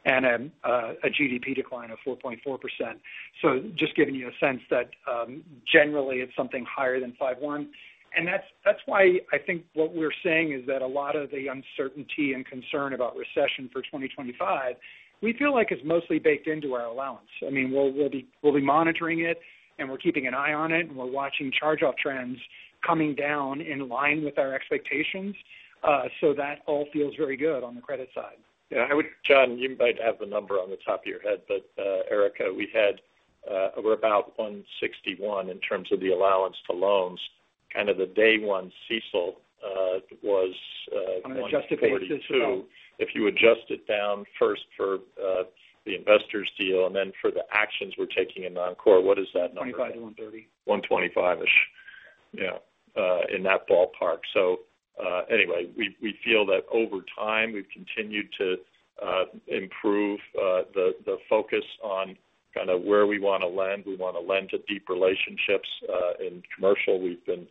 and a GDP decline of 4.4%. Just giving you a sense that generally it's something higher than 5.1%. That's why I think what we're saying is that a lot of the uncertainty and concern about recession for 2025, we feel like it's mostly baked into our allowance. I mean, we'll be monitoring it, and we're keeping an eye on it, and we're watching charge-off trends coming down in line with our expectations. That all feels very good on the credit side. Yeah. John, you might have the number on the top of your head. But Erika, we had, we're about 1.61% in terms of the allowance to loans. Kind of the day one CECL was. On the adjusted EBITDA. If you adjust it down first for the Investors deal and then for the actions we're taking in Non-Core, what is that number? 1.25%-1.30%. 1.25%-ish. Yeah. In that ballpark. Anyway, we feel that over time we've continued to improve the focus on kind of where we want to lend. We want to lend to deep relationships. In Commercial, we've been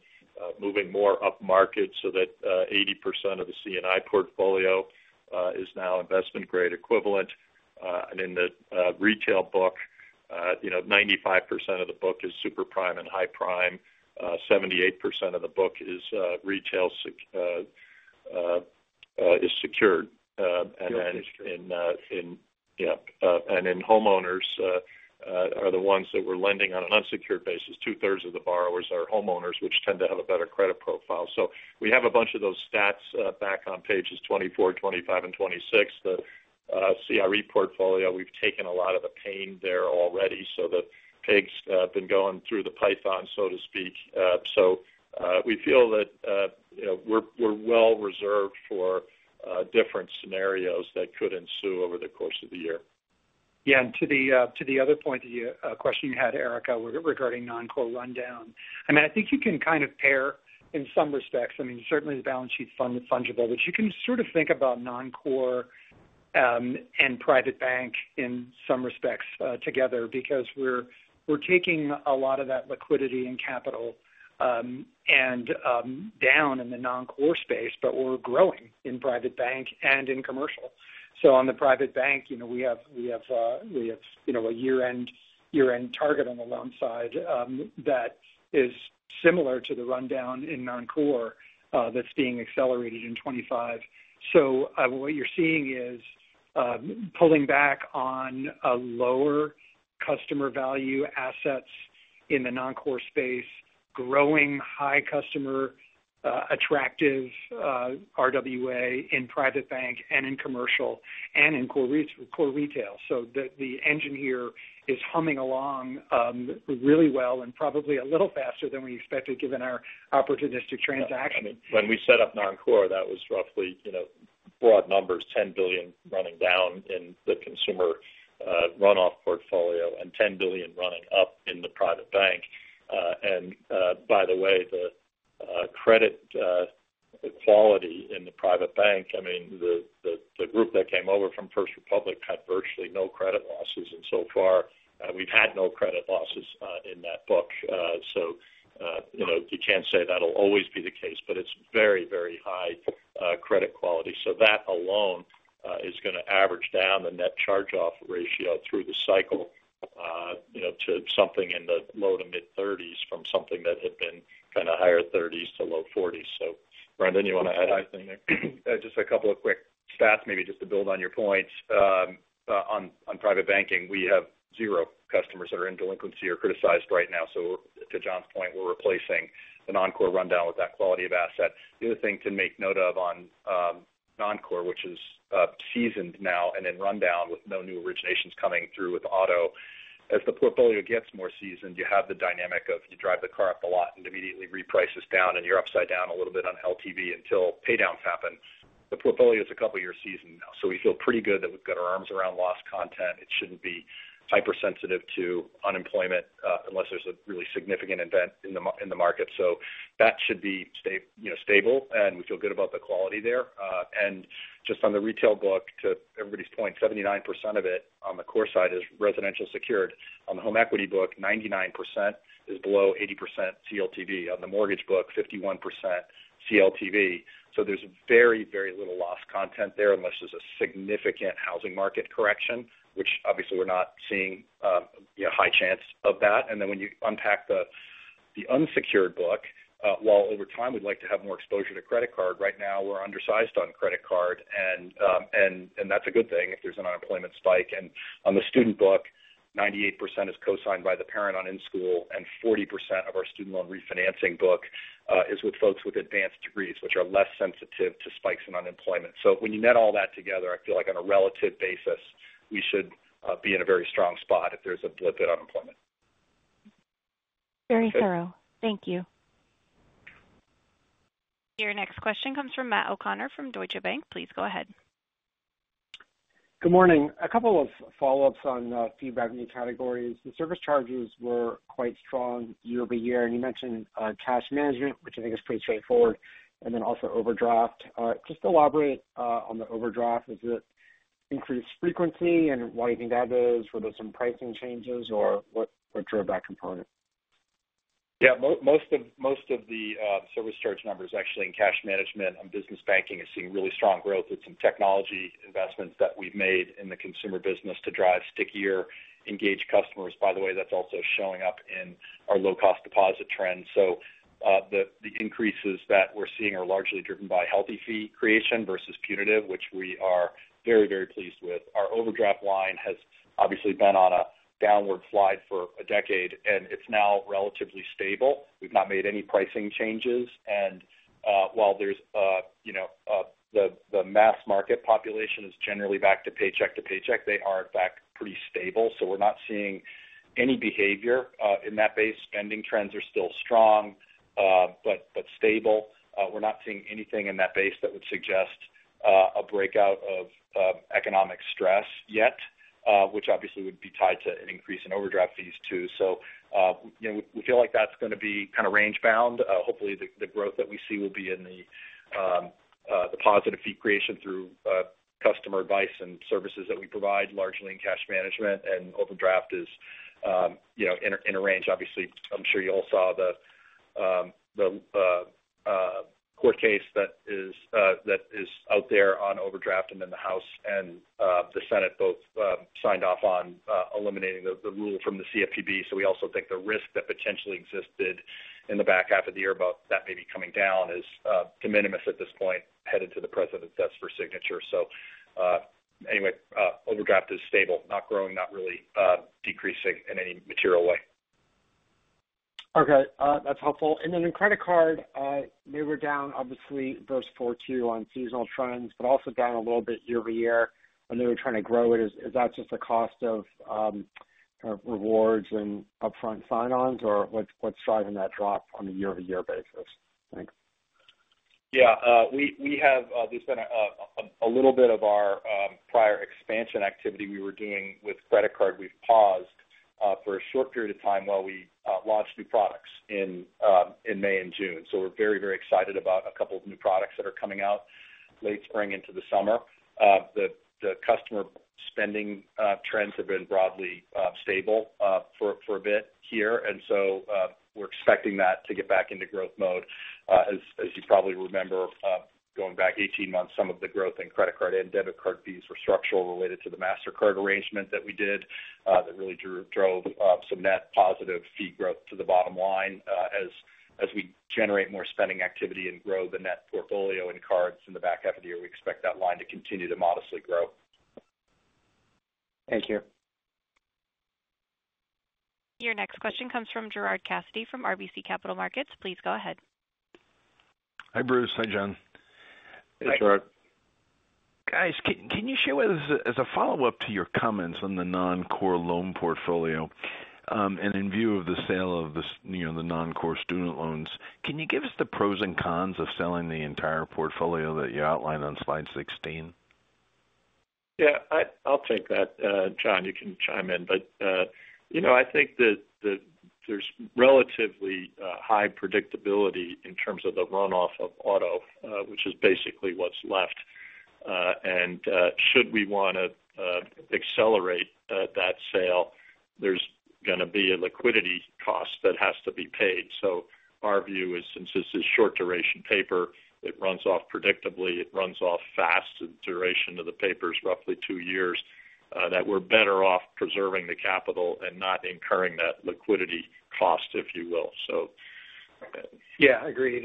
moving more up market so that 80% of the C&I portfolio is now investment-grade equivalent. In the retail book, 95% of the book is super prime and high prime. 78% of the book is retail secured. In homeowners are the ones that we're lending on an unsecured basis. Two-thirds of the borrowers are homeowners, which tend to have a better credit profile. We have a bunch of those stats back on pages 24, 25, and 26. The CRE portfolio, we've taken a lot of the pain there already. The pigs have been going through the python, so to speak. We feel that we're well reserved for different scenarios that could ensue over the course of the year. Yeah. To the other point, the question you had, Erika, regarding Non-Core rundown, I mean, I think you can kind of pair in some respects. I mean, certainly the balance sheet fund is fungible, but you can sort of think about Non-Core and Private Bank in some respects together because we're taking a lot of that liquidity and capital down in the Non-Core space, but we're growing in Private Bank and in Commercial. On the Private Bank, we have a year-end target on the loan side that is similar to the rundown in Non-Core that's being accelerated in 2025. What you're seeing is pulling back on lower customer value assets in the Non-Core space, growing high customer attractive RWA in Private Bank and in Commercial and in Core Retail. The engine here is humming along really well and probably a little faster than we expected given our opportunistic transaction. When we set up Non-Core, that was roughly, broad numbers, $10 billion running down in the consumer runoff portfolio and $10 billion running up in the Private Bank. By the way, the credit quality in the Private Bank, I mean, the group that came over from First Republic had virtually no credit losses. So far, we've had no credit losses in that book. You can't say that'll always be the case, but it's very, very high credit quality. That alone is going to average down the net charge-off ratio through the cycle to something in the low to mid-30% from something that had been kind of higher 30%-low 40%. Brendan, you want to add anything there? Just a couple of quick stats, maybe just to build on your points. On Private Banking, we have zero customers that are in delinquency or criticized right now. To John's point, we're replacing the Non-Core rundown with that quality of asset. The other thing to make note of on Non-Core, which is seasoned now and in rundown with no new originations coming through with auto, as the portfolio gets more seasoned, you have the dynamic of you drive the car up a lot and it immediately reprices down and you're upside down a little bit on LTV until paydowns happen. The portfolio is a couple-year season now. We feel pretty good that we've got our arms around loss content. It shouldn't be hypersensitive to unemployment unless there's a really significant event in the market. That should be stable and we feel good about the quality there. Just on the retail book, to everybody's point, 79% of it on the Core side is residential secured. On the home equity book, 99% is below 80% CLTV. On the mortgage book, 51% CLTV. There is very, very little loss content there unless there's a significant housing market correction, which obviously we're not seeing a high chance of that. When you unpack the unsecured book, while over time we'd like to have more exposure to credit card, right now we're undersized on credit card. That's a good thing if there's an unemployment spike. On the student book, 98% is co-signed by the parent on in-school, and 40% of our student loan refinancing book is with folks with advanced degrees, which are less sensitive to spikes in unemployment. When you net all that together, I feel like on a relative basis, we should be in a very strong spot if there is a blip in unemployment. Very thorough. Thank you. Your next question comes from Matt O'Connor from Deutsche Bank. Please go ahead. Good morning. A couple of follow-ups on feedback in these categories. The service charges were quite strong year-over-year. You mentioned cash management, which I think is pretty straightforward, and then also overdraft. Just elaborate on the overdraft. Is it increased frequency and why do you think that is? Were there some pricing changes or what drove that component? Yeah. Most of the service charge numbers actually in cash management and Business Banking are seeing really strong growth with some technology investments that we've made in the Consumer business to drive stickier, engaged customers. By the way, that's also showing up in our low-cost deposit trend. The increases that we're seeing are largely driven by healthy fee creation versus punitive, which we are very, very pleased with. Our overdraft line has obviously been on a downward slide for a decade, and it's now relatively stable. We've not made any pricing changes. While the mass market population is generally back to paycheck to paycheck, they are in fact pretty stable. We're not seeing any behavior in that base. Spending trends are still strong but stable. We're not seeing anything in that base that would suggest a breakout of economic stress yet, which obviously would be tied to an increase in overdraft fees too. We feel like that's going to be kind of range-bound. Hopefully, the growth that we see will be in the positive fee creation through customer advice and services that we provide, largely in cash management. Overdraft is in a range. I'm sure you all saw the court case that is out there on overdraft, and the House and the Senate both signed off on eliminating the rule from the CFPB. We also think the risk that potentially existed in the back half of the year about that may be coming down is de minimis at this point, headed to the President's desk for signature. Anyway, overdraft is stable, not growing, not really decreasing in any material way. Okay. That's helpful. In credit card, they were down, obviously, versus 4.2 on seasonal trends, but also down a little bit year-over-year. When they were trying to grow it, is that just the cost of kind of rewards and upfront sign-ons, or what's driving that drop on a year-over-year basis? Thanks. Yeah. There's been a little bit of our prior expansion activity we were doing with credit card. We've paused for a short period of time while we launched new products in May and June. We are very, very excited about a couple of new products that are coming out late spring into the summer. The customer spending trends have been broadly stable for a bit here. We are expecting that to get back into growth mode. As you probably remember, going back 18 months, some of the growth in credit card and debit card fees were structural related to the Mastercard arrangement that we did that really drove some net positive fee growth to the bottom line. As we generate more spending activity and grow the net portfolio in cards in the back half of the year, we expect that line to continue to modestly grow. Thank you. Your next question comes from Gerard Cassidy from RBC Capital Markets. Please go ahead. Hi, Bruce. Hi, John. Hey, Gerard. Guys, can you share with us as a follow-up to your comments on the Non-Core loan portfolio and in view of the sale of the Non-Core student loans, can you give us the pros and cons of selling the entire portfolio that you outlined on slide 16? Yeah. I'll take that. John, you can chime in. I think that there's relatively high predictability in terms of the runoff of auto, which is basically what's left. Should we want to accelerate that sale, there's going to be a liquidity cost that has to be paid. Our view is, since this is short-duration paper, it runs off predictably. It runs off fast. The duration of the paper is roughly two years, that we're better off preserving the capital and not incurring that liquidity cost, if you will. Yeah. Agreed.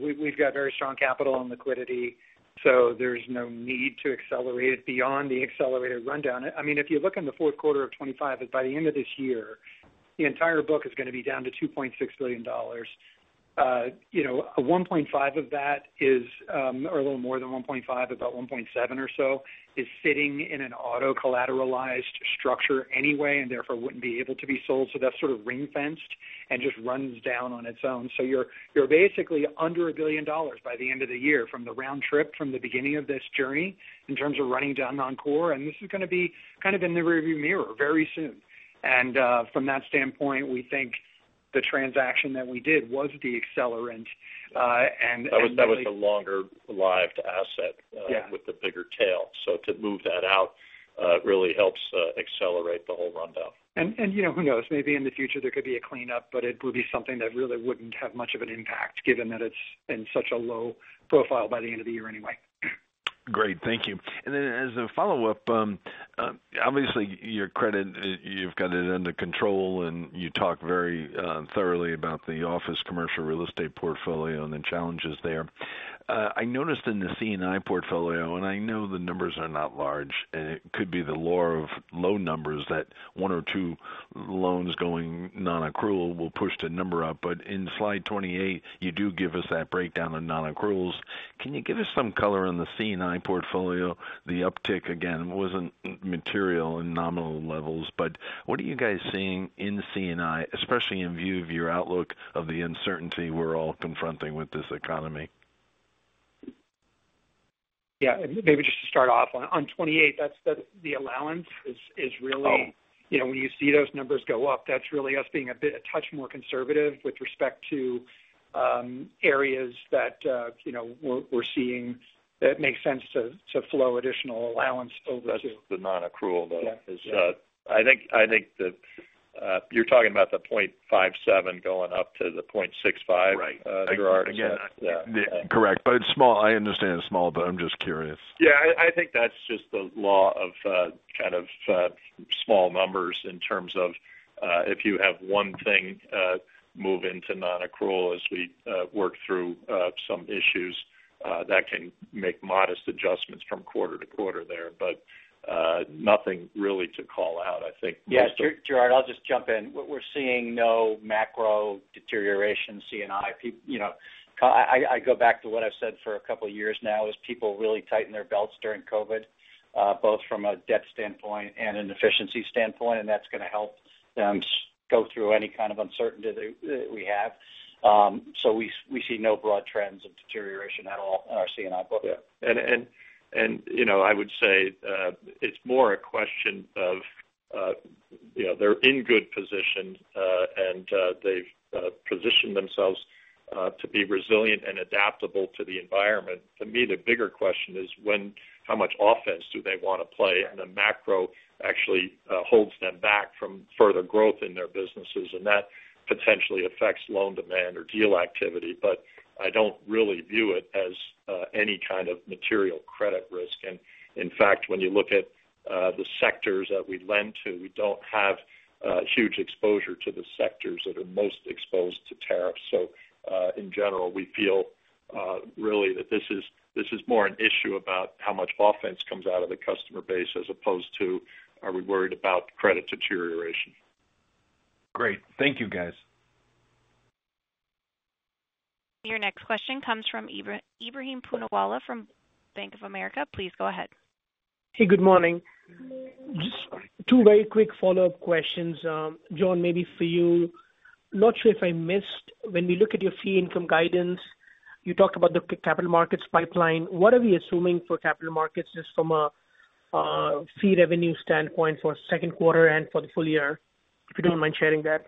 We've got very strong capital and liquidity. There's no need to accelerate it beyond the accelerated rundown. I mean, if you look in the fourth quarter of 2025, by the end of this year, the entire book is going to be down to $2.6 billion. A $1.5 billion of that is, or a little more than $1.5 billion, about $1.7 billion or so, is sitting in an auto-collateralized structure anyway and therefore would not be able to be sold. That is sort of ring-fenced and just runs down on its own. You are basically under $1 billion by the end of the year from the round trip, from the beginning of this journey in terms of running down on Core. This is going to be kind of in the rearview mirror very soon. From that standpoint, we think the transaction that we did was the accelerant. That was the longer-lived asset with the bigger tail. To move that out really helps accelerate the whole rundown. Who knows? Maybe in the future, there could be a cleanup, but it would be something that really would not have much of an impact given that it is in such a low profile by the end of the year anyway. Great. Thank you. As a follow-up, obviously, your credit, you have got it under control, and you talk very thoroughly about the office commercial real estate portfolio and the challenges there. I noticed in the C&I portfolio, and I know the numbers are not large, and it could be the lore of low numbers that one or two loans going non-accrual will push the number up. In slide 28, you do give us that breakdown of non-accruals. Can you give us some color on the C&I portfolio? The uptick, again, was not material in nominal levels, but what are you guys seeing in C&I, especially in view of your outlook of the uncertainty we are all confronting with this economy? Yeah. Maybe just to start off, on 28, that is the allowance is really when you see those numbers go up, that is really us being a touch more conservative with respect to areas that we are seeing that make sense to flow additional allowance over. That is the non-accrual, though. I think that you are talking about the 0.57% going up to the 0.65%, Gerard. Again, yeah. Correct. It is small. I understand it is small, but I am just curious. Yeah. I think that is just the law of kind of small numbers in terms of if you have one thing move into non-accrual as we work through some issues, that can make modest adjustments from quarter-to-quarter there. Nothing really to call out, I think. Yeah. Gerard, I'll just jump in. We're seeing no macro deterioration in C&I. I go back to what I've said for a couple of years now is people really tighten their belts during COVID, both from a debt standpoint and an efficiency standpoint, and that's going to help them go through any kind of uncertainty that we have. We see no broad trends of deterioration at all in our C&I portfolio. Yeah. I would say it's more a question of they're in good position, and they've positioned themselves to be resilient and adaptable to the environment. To me, the bigger question is how much offense do they want to play in the macro actually holds them back from further growth in their businesses, and that potentially affects loan demand or deal activity. I don't really view it as any kind of material credit risk. In fact, when you look at the sectors that we lend to, we don't have huge exposure to the sectors that are most exposed to tariffs. In general, we feel really that this is more an issue about how much offense comes out of the customer base as opposed to are we worried about credit deterioration. Great. Thank you, guys. Your next question comes from Ebrahim Poonawala from Bank of America. Please go ahead. Hey, good morning. Just two very quick follow-up questions. John, maybe for you, not sure if I missed, when we look at your fee income guidance, you talked about the capital markets pipeline. What are we assuming for capital markets just from a fee revenue standpoint for second quarter and for the full year? If you don't mind sharing that.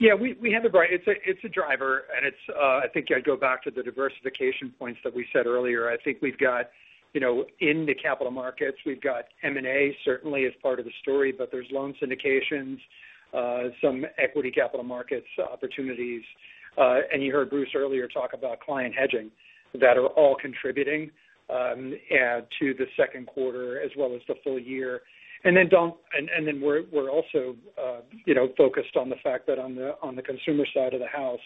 Yeah. It's a driver, and I think I'd go back to the diversification points that we said earlier. I think we've got in the capital markets, we've got M&A certainly as part of the story, but there's loan syndications, some Equity Capital Markets opportunities. You heard Bruce earlier talk about client hedging that are all contributing to the second quarter as well as the full year. We are also focused on the fact that on the consumer side of the house,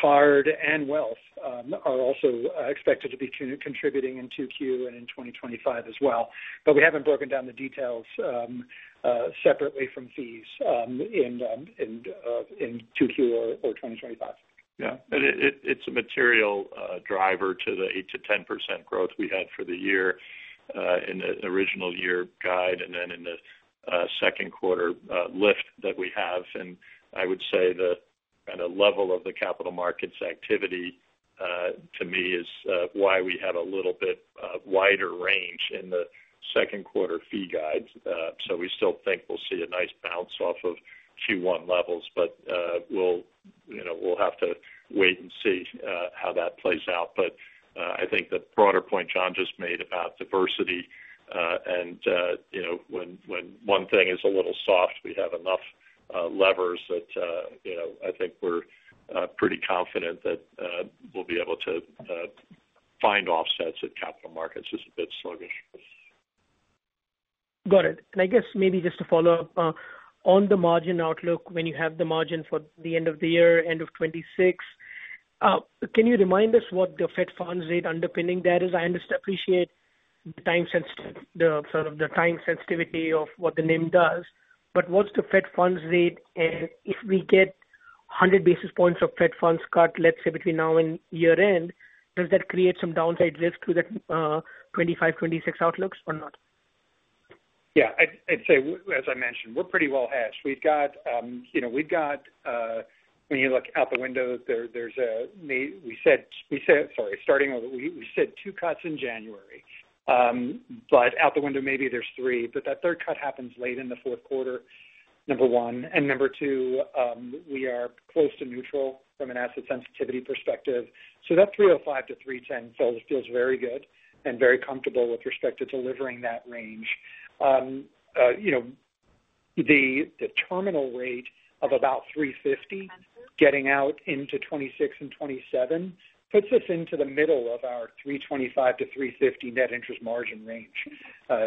card and wealth are also expected to be contributing in 2Q and in 2025 as well. We haven't broken down the details separately from fees in 2Q or 2025. Yeah. It's a material driver to the 8%-10% growth we had for the year in the original year guide and then in the second quarter lift that we have. I would say the kind of level of the capital markets activity, to me, is why we have a little bit wider range in the second quarter fee guides. We still think we'll see a nice bounce off of Q1 levels, but we'll have to wait and see how that plays out. I think the broader point John just made about diversity and when one thing is a little soft, we have enough levers that I think we're pretty confident that we'll be able to find offsets if capital markets is a bit sluggish. Got it. I guess maybe just to follow up on the margin outlook, when you have the margin for the end of the year, end of 2026, can you remind us what the Fed funds rate underpinning that is? I understand. Appreciate the time sensitivity of what the name does. What's the Fed funds rate? If we get 100 basis points of Fed funds cut, let's say between now and year-end, does that create some downside risk through that 2025, 2026 outlook or not? Yeah. I'd say, as I mentioned, we're pretty well hedged. When you look out the window, we said two cuts in January. Out the window, maybe there's three. That third cut happens late in the fourth quarter, number one. Number two, we are close to neutral from an asset sensitivity perspective. That 3.05%-3.10% feels very good and very comfortable with respect to delivering that range. The terminal rate of about 3.50% getting out into 2026 and 2027 puts us into the middle of our 3.25%-3.50% net interest margin range.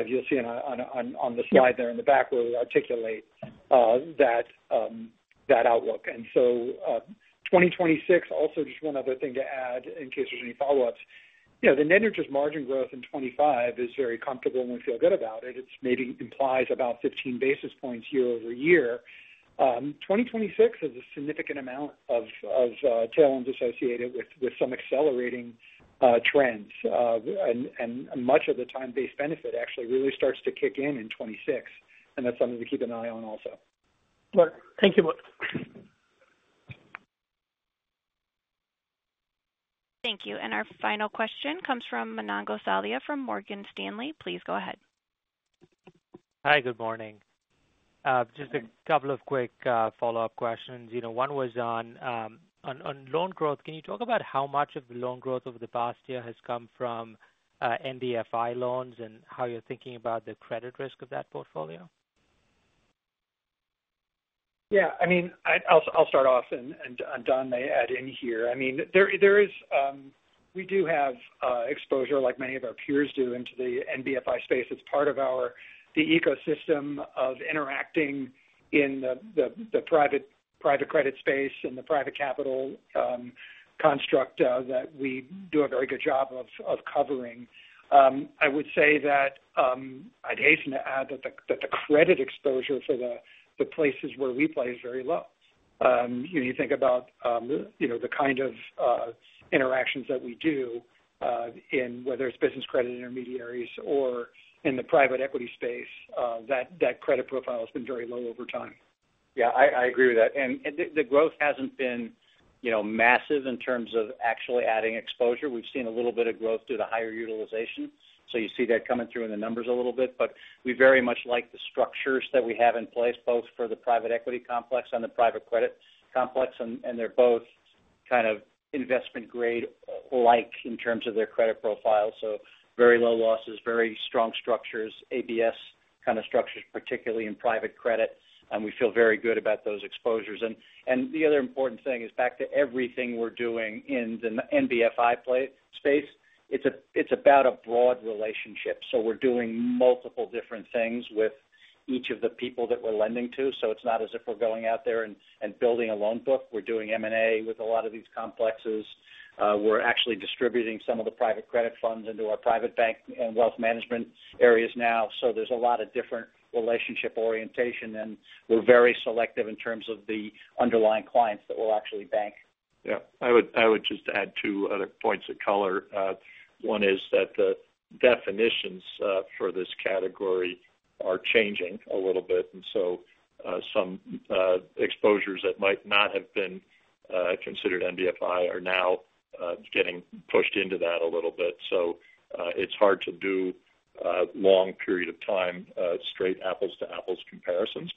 You'll see on the slide there in the back where we articulate that outlook. 2026, also just one other thing to add in case there's any follow-ups. The net interest margin growth in 2025 is very comfortable, and we feel good about it. It maybe implies about 15 basis points year-over-year. 2026 has a significant amount of tailwinds associated with some accelerating trends. Much of the time-based benefit actually really starts to kick in in 2026. That's something to keep an eye on also. Thank you both. Thank you. Our final question comes from Manan Gosalia from Morgan Stanley. Please go ahead. Hi, good morning. Just a couple of quick follow-up questions. One was on loan growth. Can you talk about how much of the loan growth over the past year has come from NBFI loans and how you're thinking about the credit risk of that portfolio? Yeah. I mean, I'll start off, and Don may add in here. I mean, we do have exposure, like many of our peers do, into the NBFI space. It's part of the ecosystem of interacting in the private credit space and the private capital construct that we do a very good job of covering. I would say that I'd hasten to add that the credit exposure for the places where we play is very low. You think about the kind of interactions that we do in whether it's business credit intermediaries or in the private equity space, that credit profile has been very low over time. Yeah. I agree with that. The growth has not been massive in terms of actually adding exposure. We have seen a little bit of growth through the higher utilization. You see that coming through in the numbers a little bit. We very much like the structures that we have in place, both for the private equity complex and the private credit complex. They are both kind of investment-grade-like in terms of their credit profile. Very low losses, very strong structures, ABS kind of structures, particularly in private credit. We feel very good about those exposures. The other important thing is, back to everything we are doing in the NBFI space, it is about a broad relationship. We are doing multiple different things with each of the people that we are lending to. It is not as if we are going out there and building a loan book. We're doing M&A with a lot of these complexes. We're actually distributing some of the private credit funds into our Private Bank and Wealth Management areas now. There is a lot of different relationship orientation, and we're very selective in terms of the underlying clients that we'll actually bank. Yeah. I would just add two other points of color. One is that the definitions for this category are changing a little bit. Some exposures that might not have been considered NBFI are now getting pushed into that a little bit. It's hard to do long period of time straight apples-to-apples comparisons.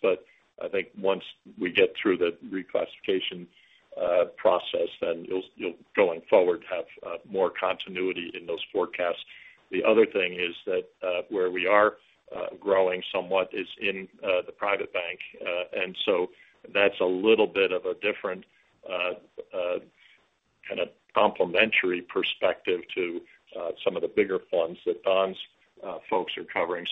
I think once we get through the reclassification process, then you'll, going forward, have more continuity in those forecasts. The other thing is that where we are growing somewhat is in the Private Bank. That is a little bit of a different kind of complementary perspective to some of the bigger funds that Don's folks are covering.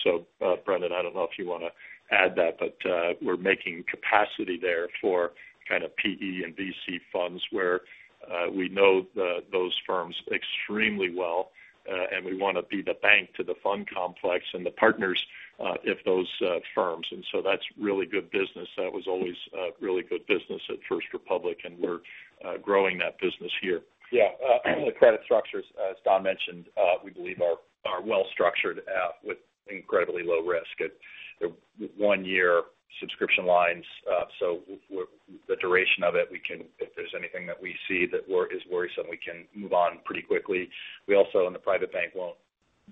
Brendan, I do not know if you want to add that, but we are making capacity there for kind of PE and VC funds where we know those firms extremely well, and we want to be the bank to the fund complex and the partners of those firms. That is really good business. That was always really good business at First Republic, and we are growing that business here. The credit structures, as Don mentioned, we believe are well-structured with incredibly low risk. One-year subscription lines. The duration of it, if there is anything that we see that is worrisome, we can move on pretty quickly. We also, in the Private Bank, will not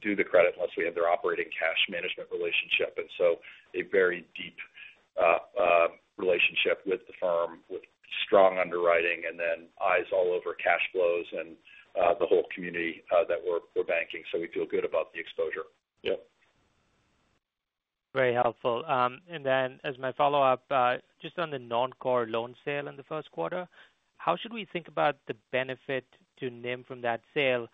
do the credit unless we have their operating cash management relationship. A very deep relationship with the firm with strong underwriting and then eyes all over cash flows and the whole community that we're banking. We feel good about the exposure. Yep. Very helpful. As my follow-up, just on the Non-Core loan sale in the first quarter, how should we think about the benefit to NIM from that sale?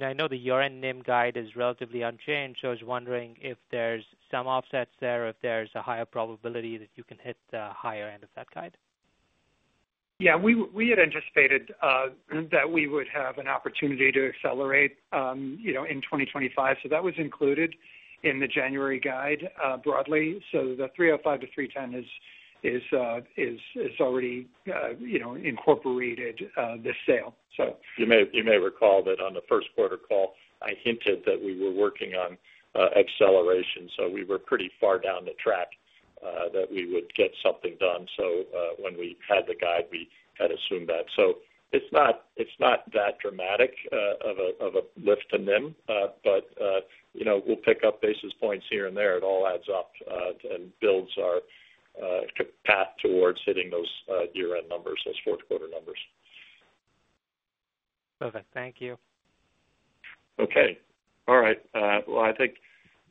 I know the year-end NIM guide is relatively unchanged, so I was wondering if there's some offsets there or if there's a higher probability that you can hit the higher end of that guide. Yeah. We had anticipated that we would have an opportunity to accelerate in 2025. That was included in the January guide broadly. The 3.05%-3.10% is already incorporated this sale. You may recall that on the first quarter call, I hinted that we were working on acceleration. We were pretty far down the track that we would get something done. When we had the guide, we had assumed that. It is not that dramatic of a lift to NIM, but we will pick up basis points here and there. It all adds up and builds our path towards hitting those year-end numbers, those fourth quarter numbers. Thank you. All right. I think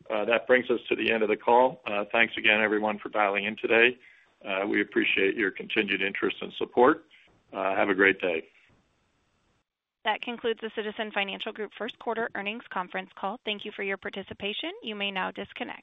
that brings us to the end of the call. Thanks again, everyone, for dialing in today. We appreciate your continued interest and support. Have a great day. That concludes the Citizens Financial Group First Quarter Earnings Conference Call. Thank you for your participation. You may now disconnect.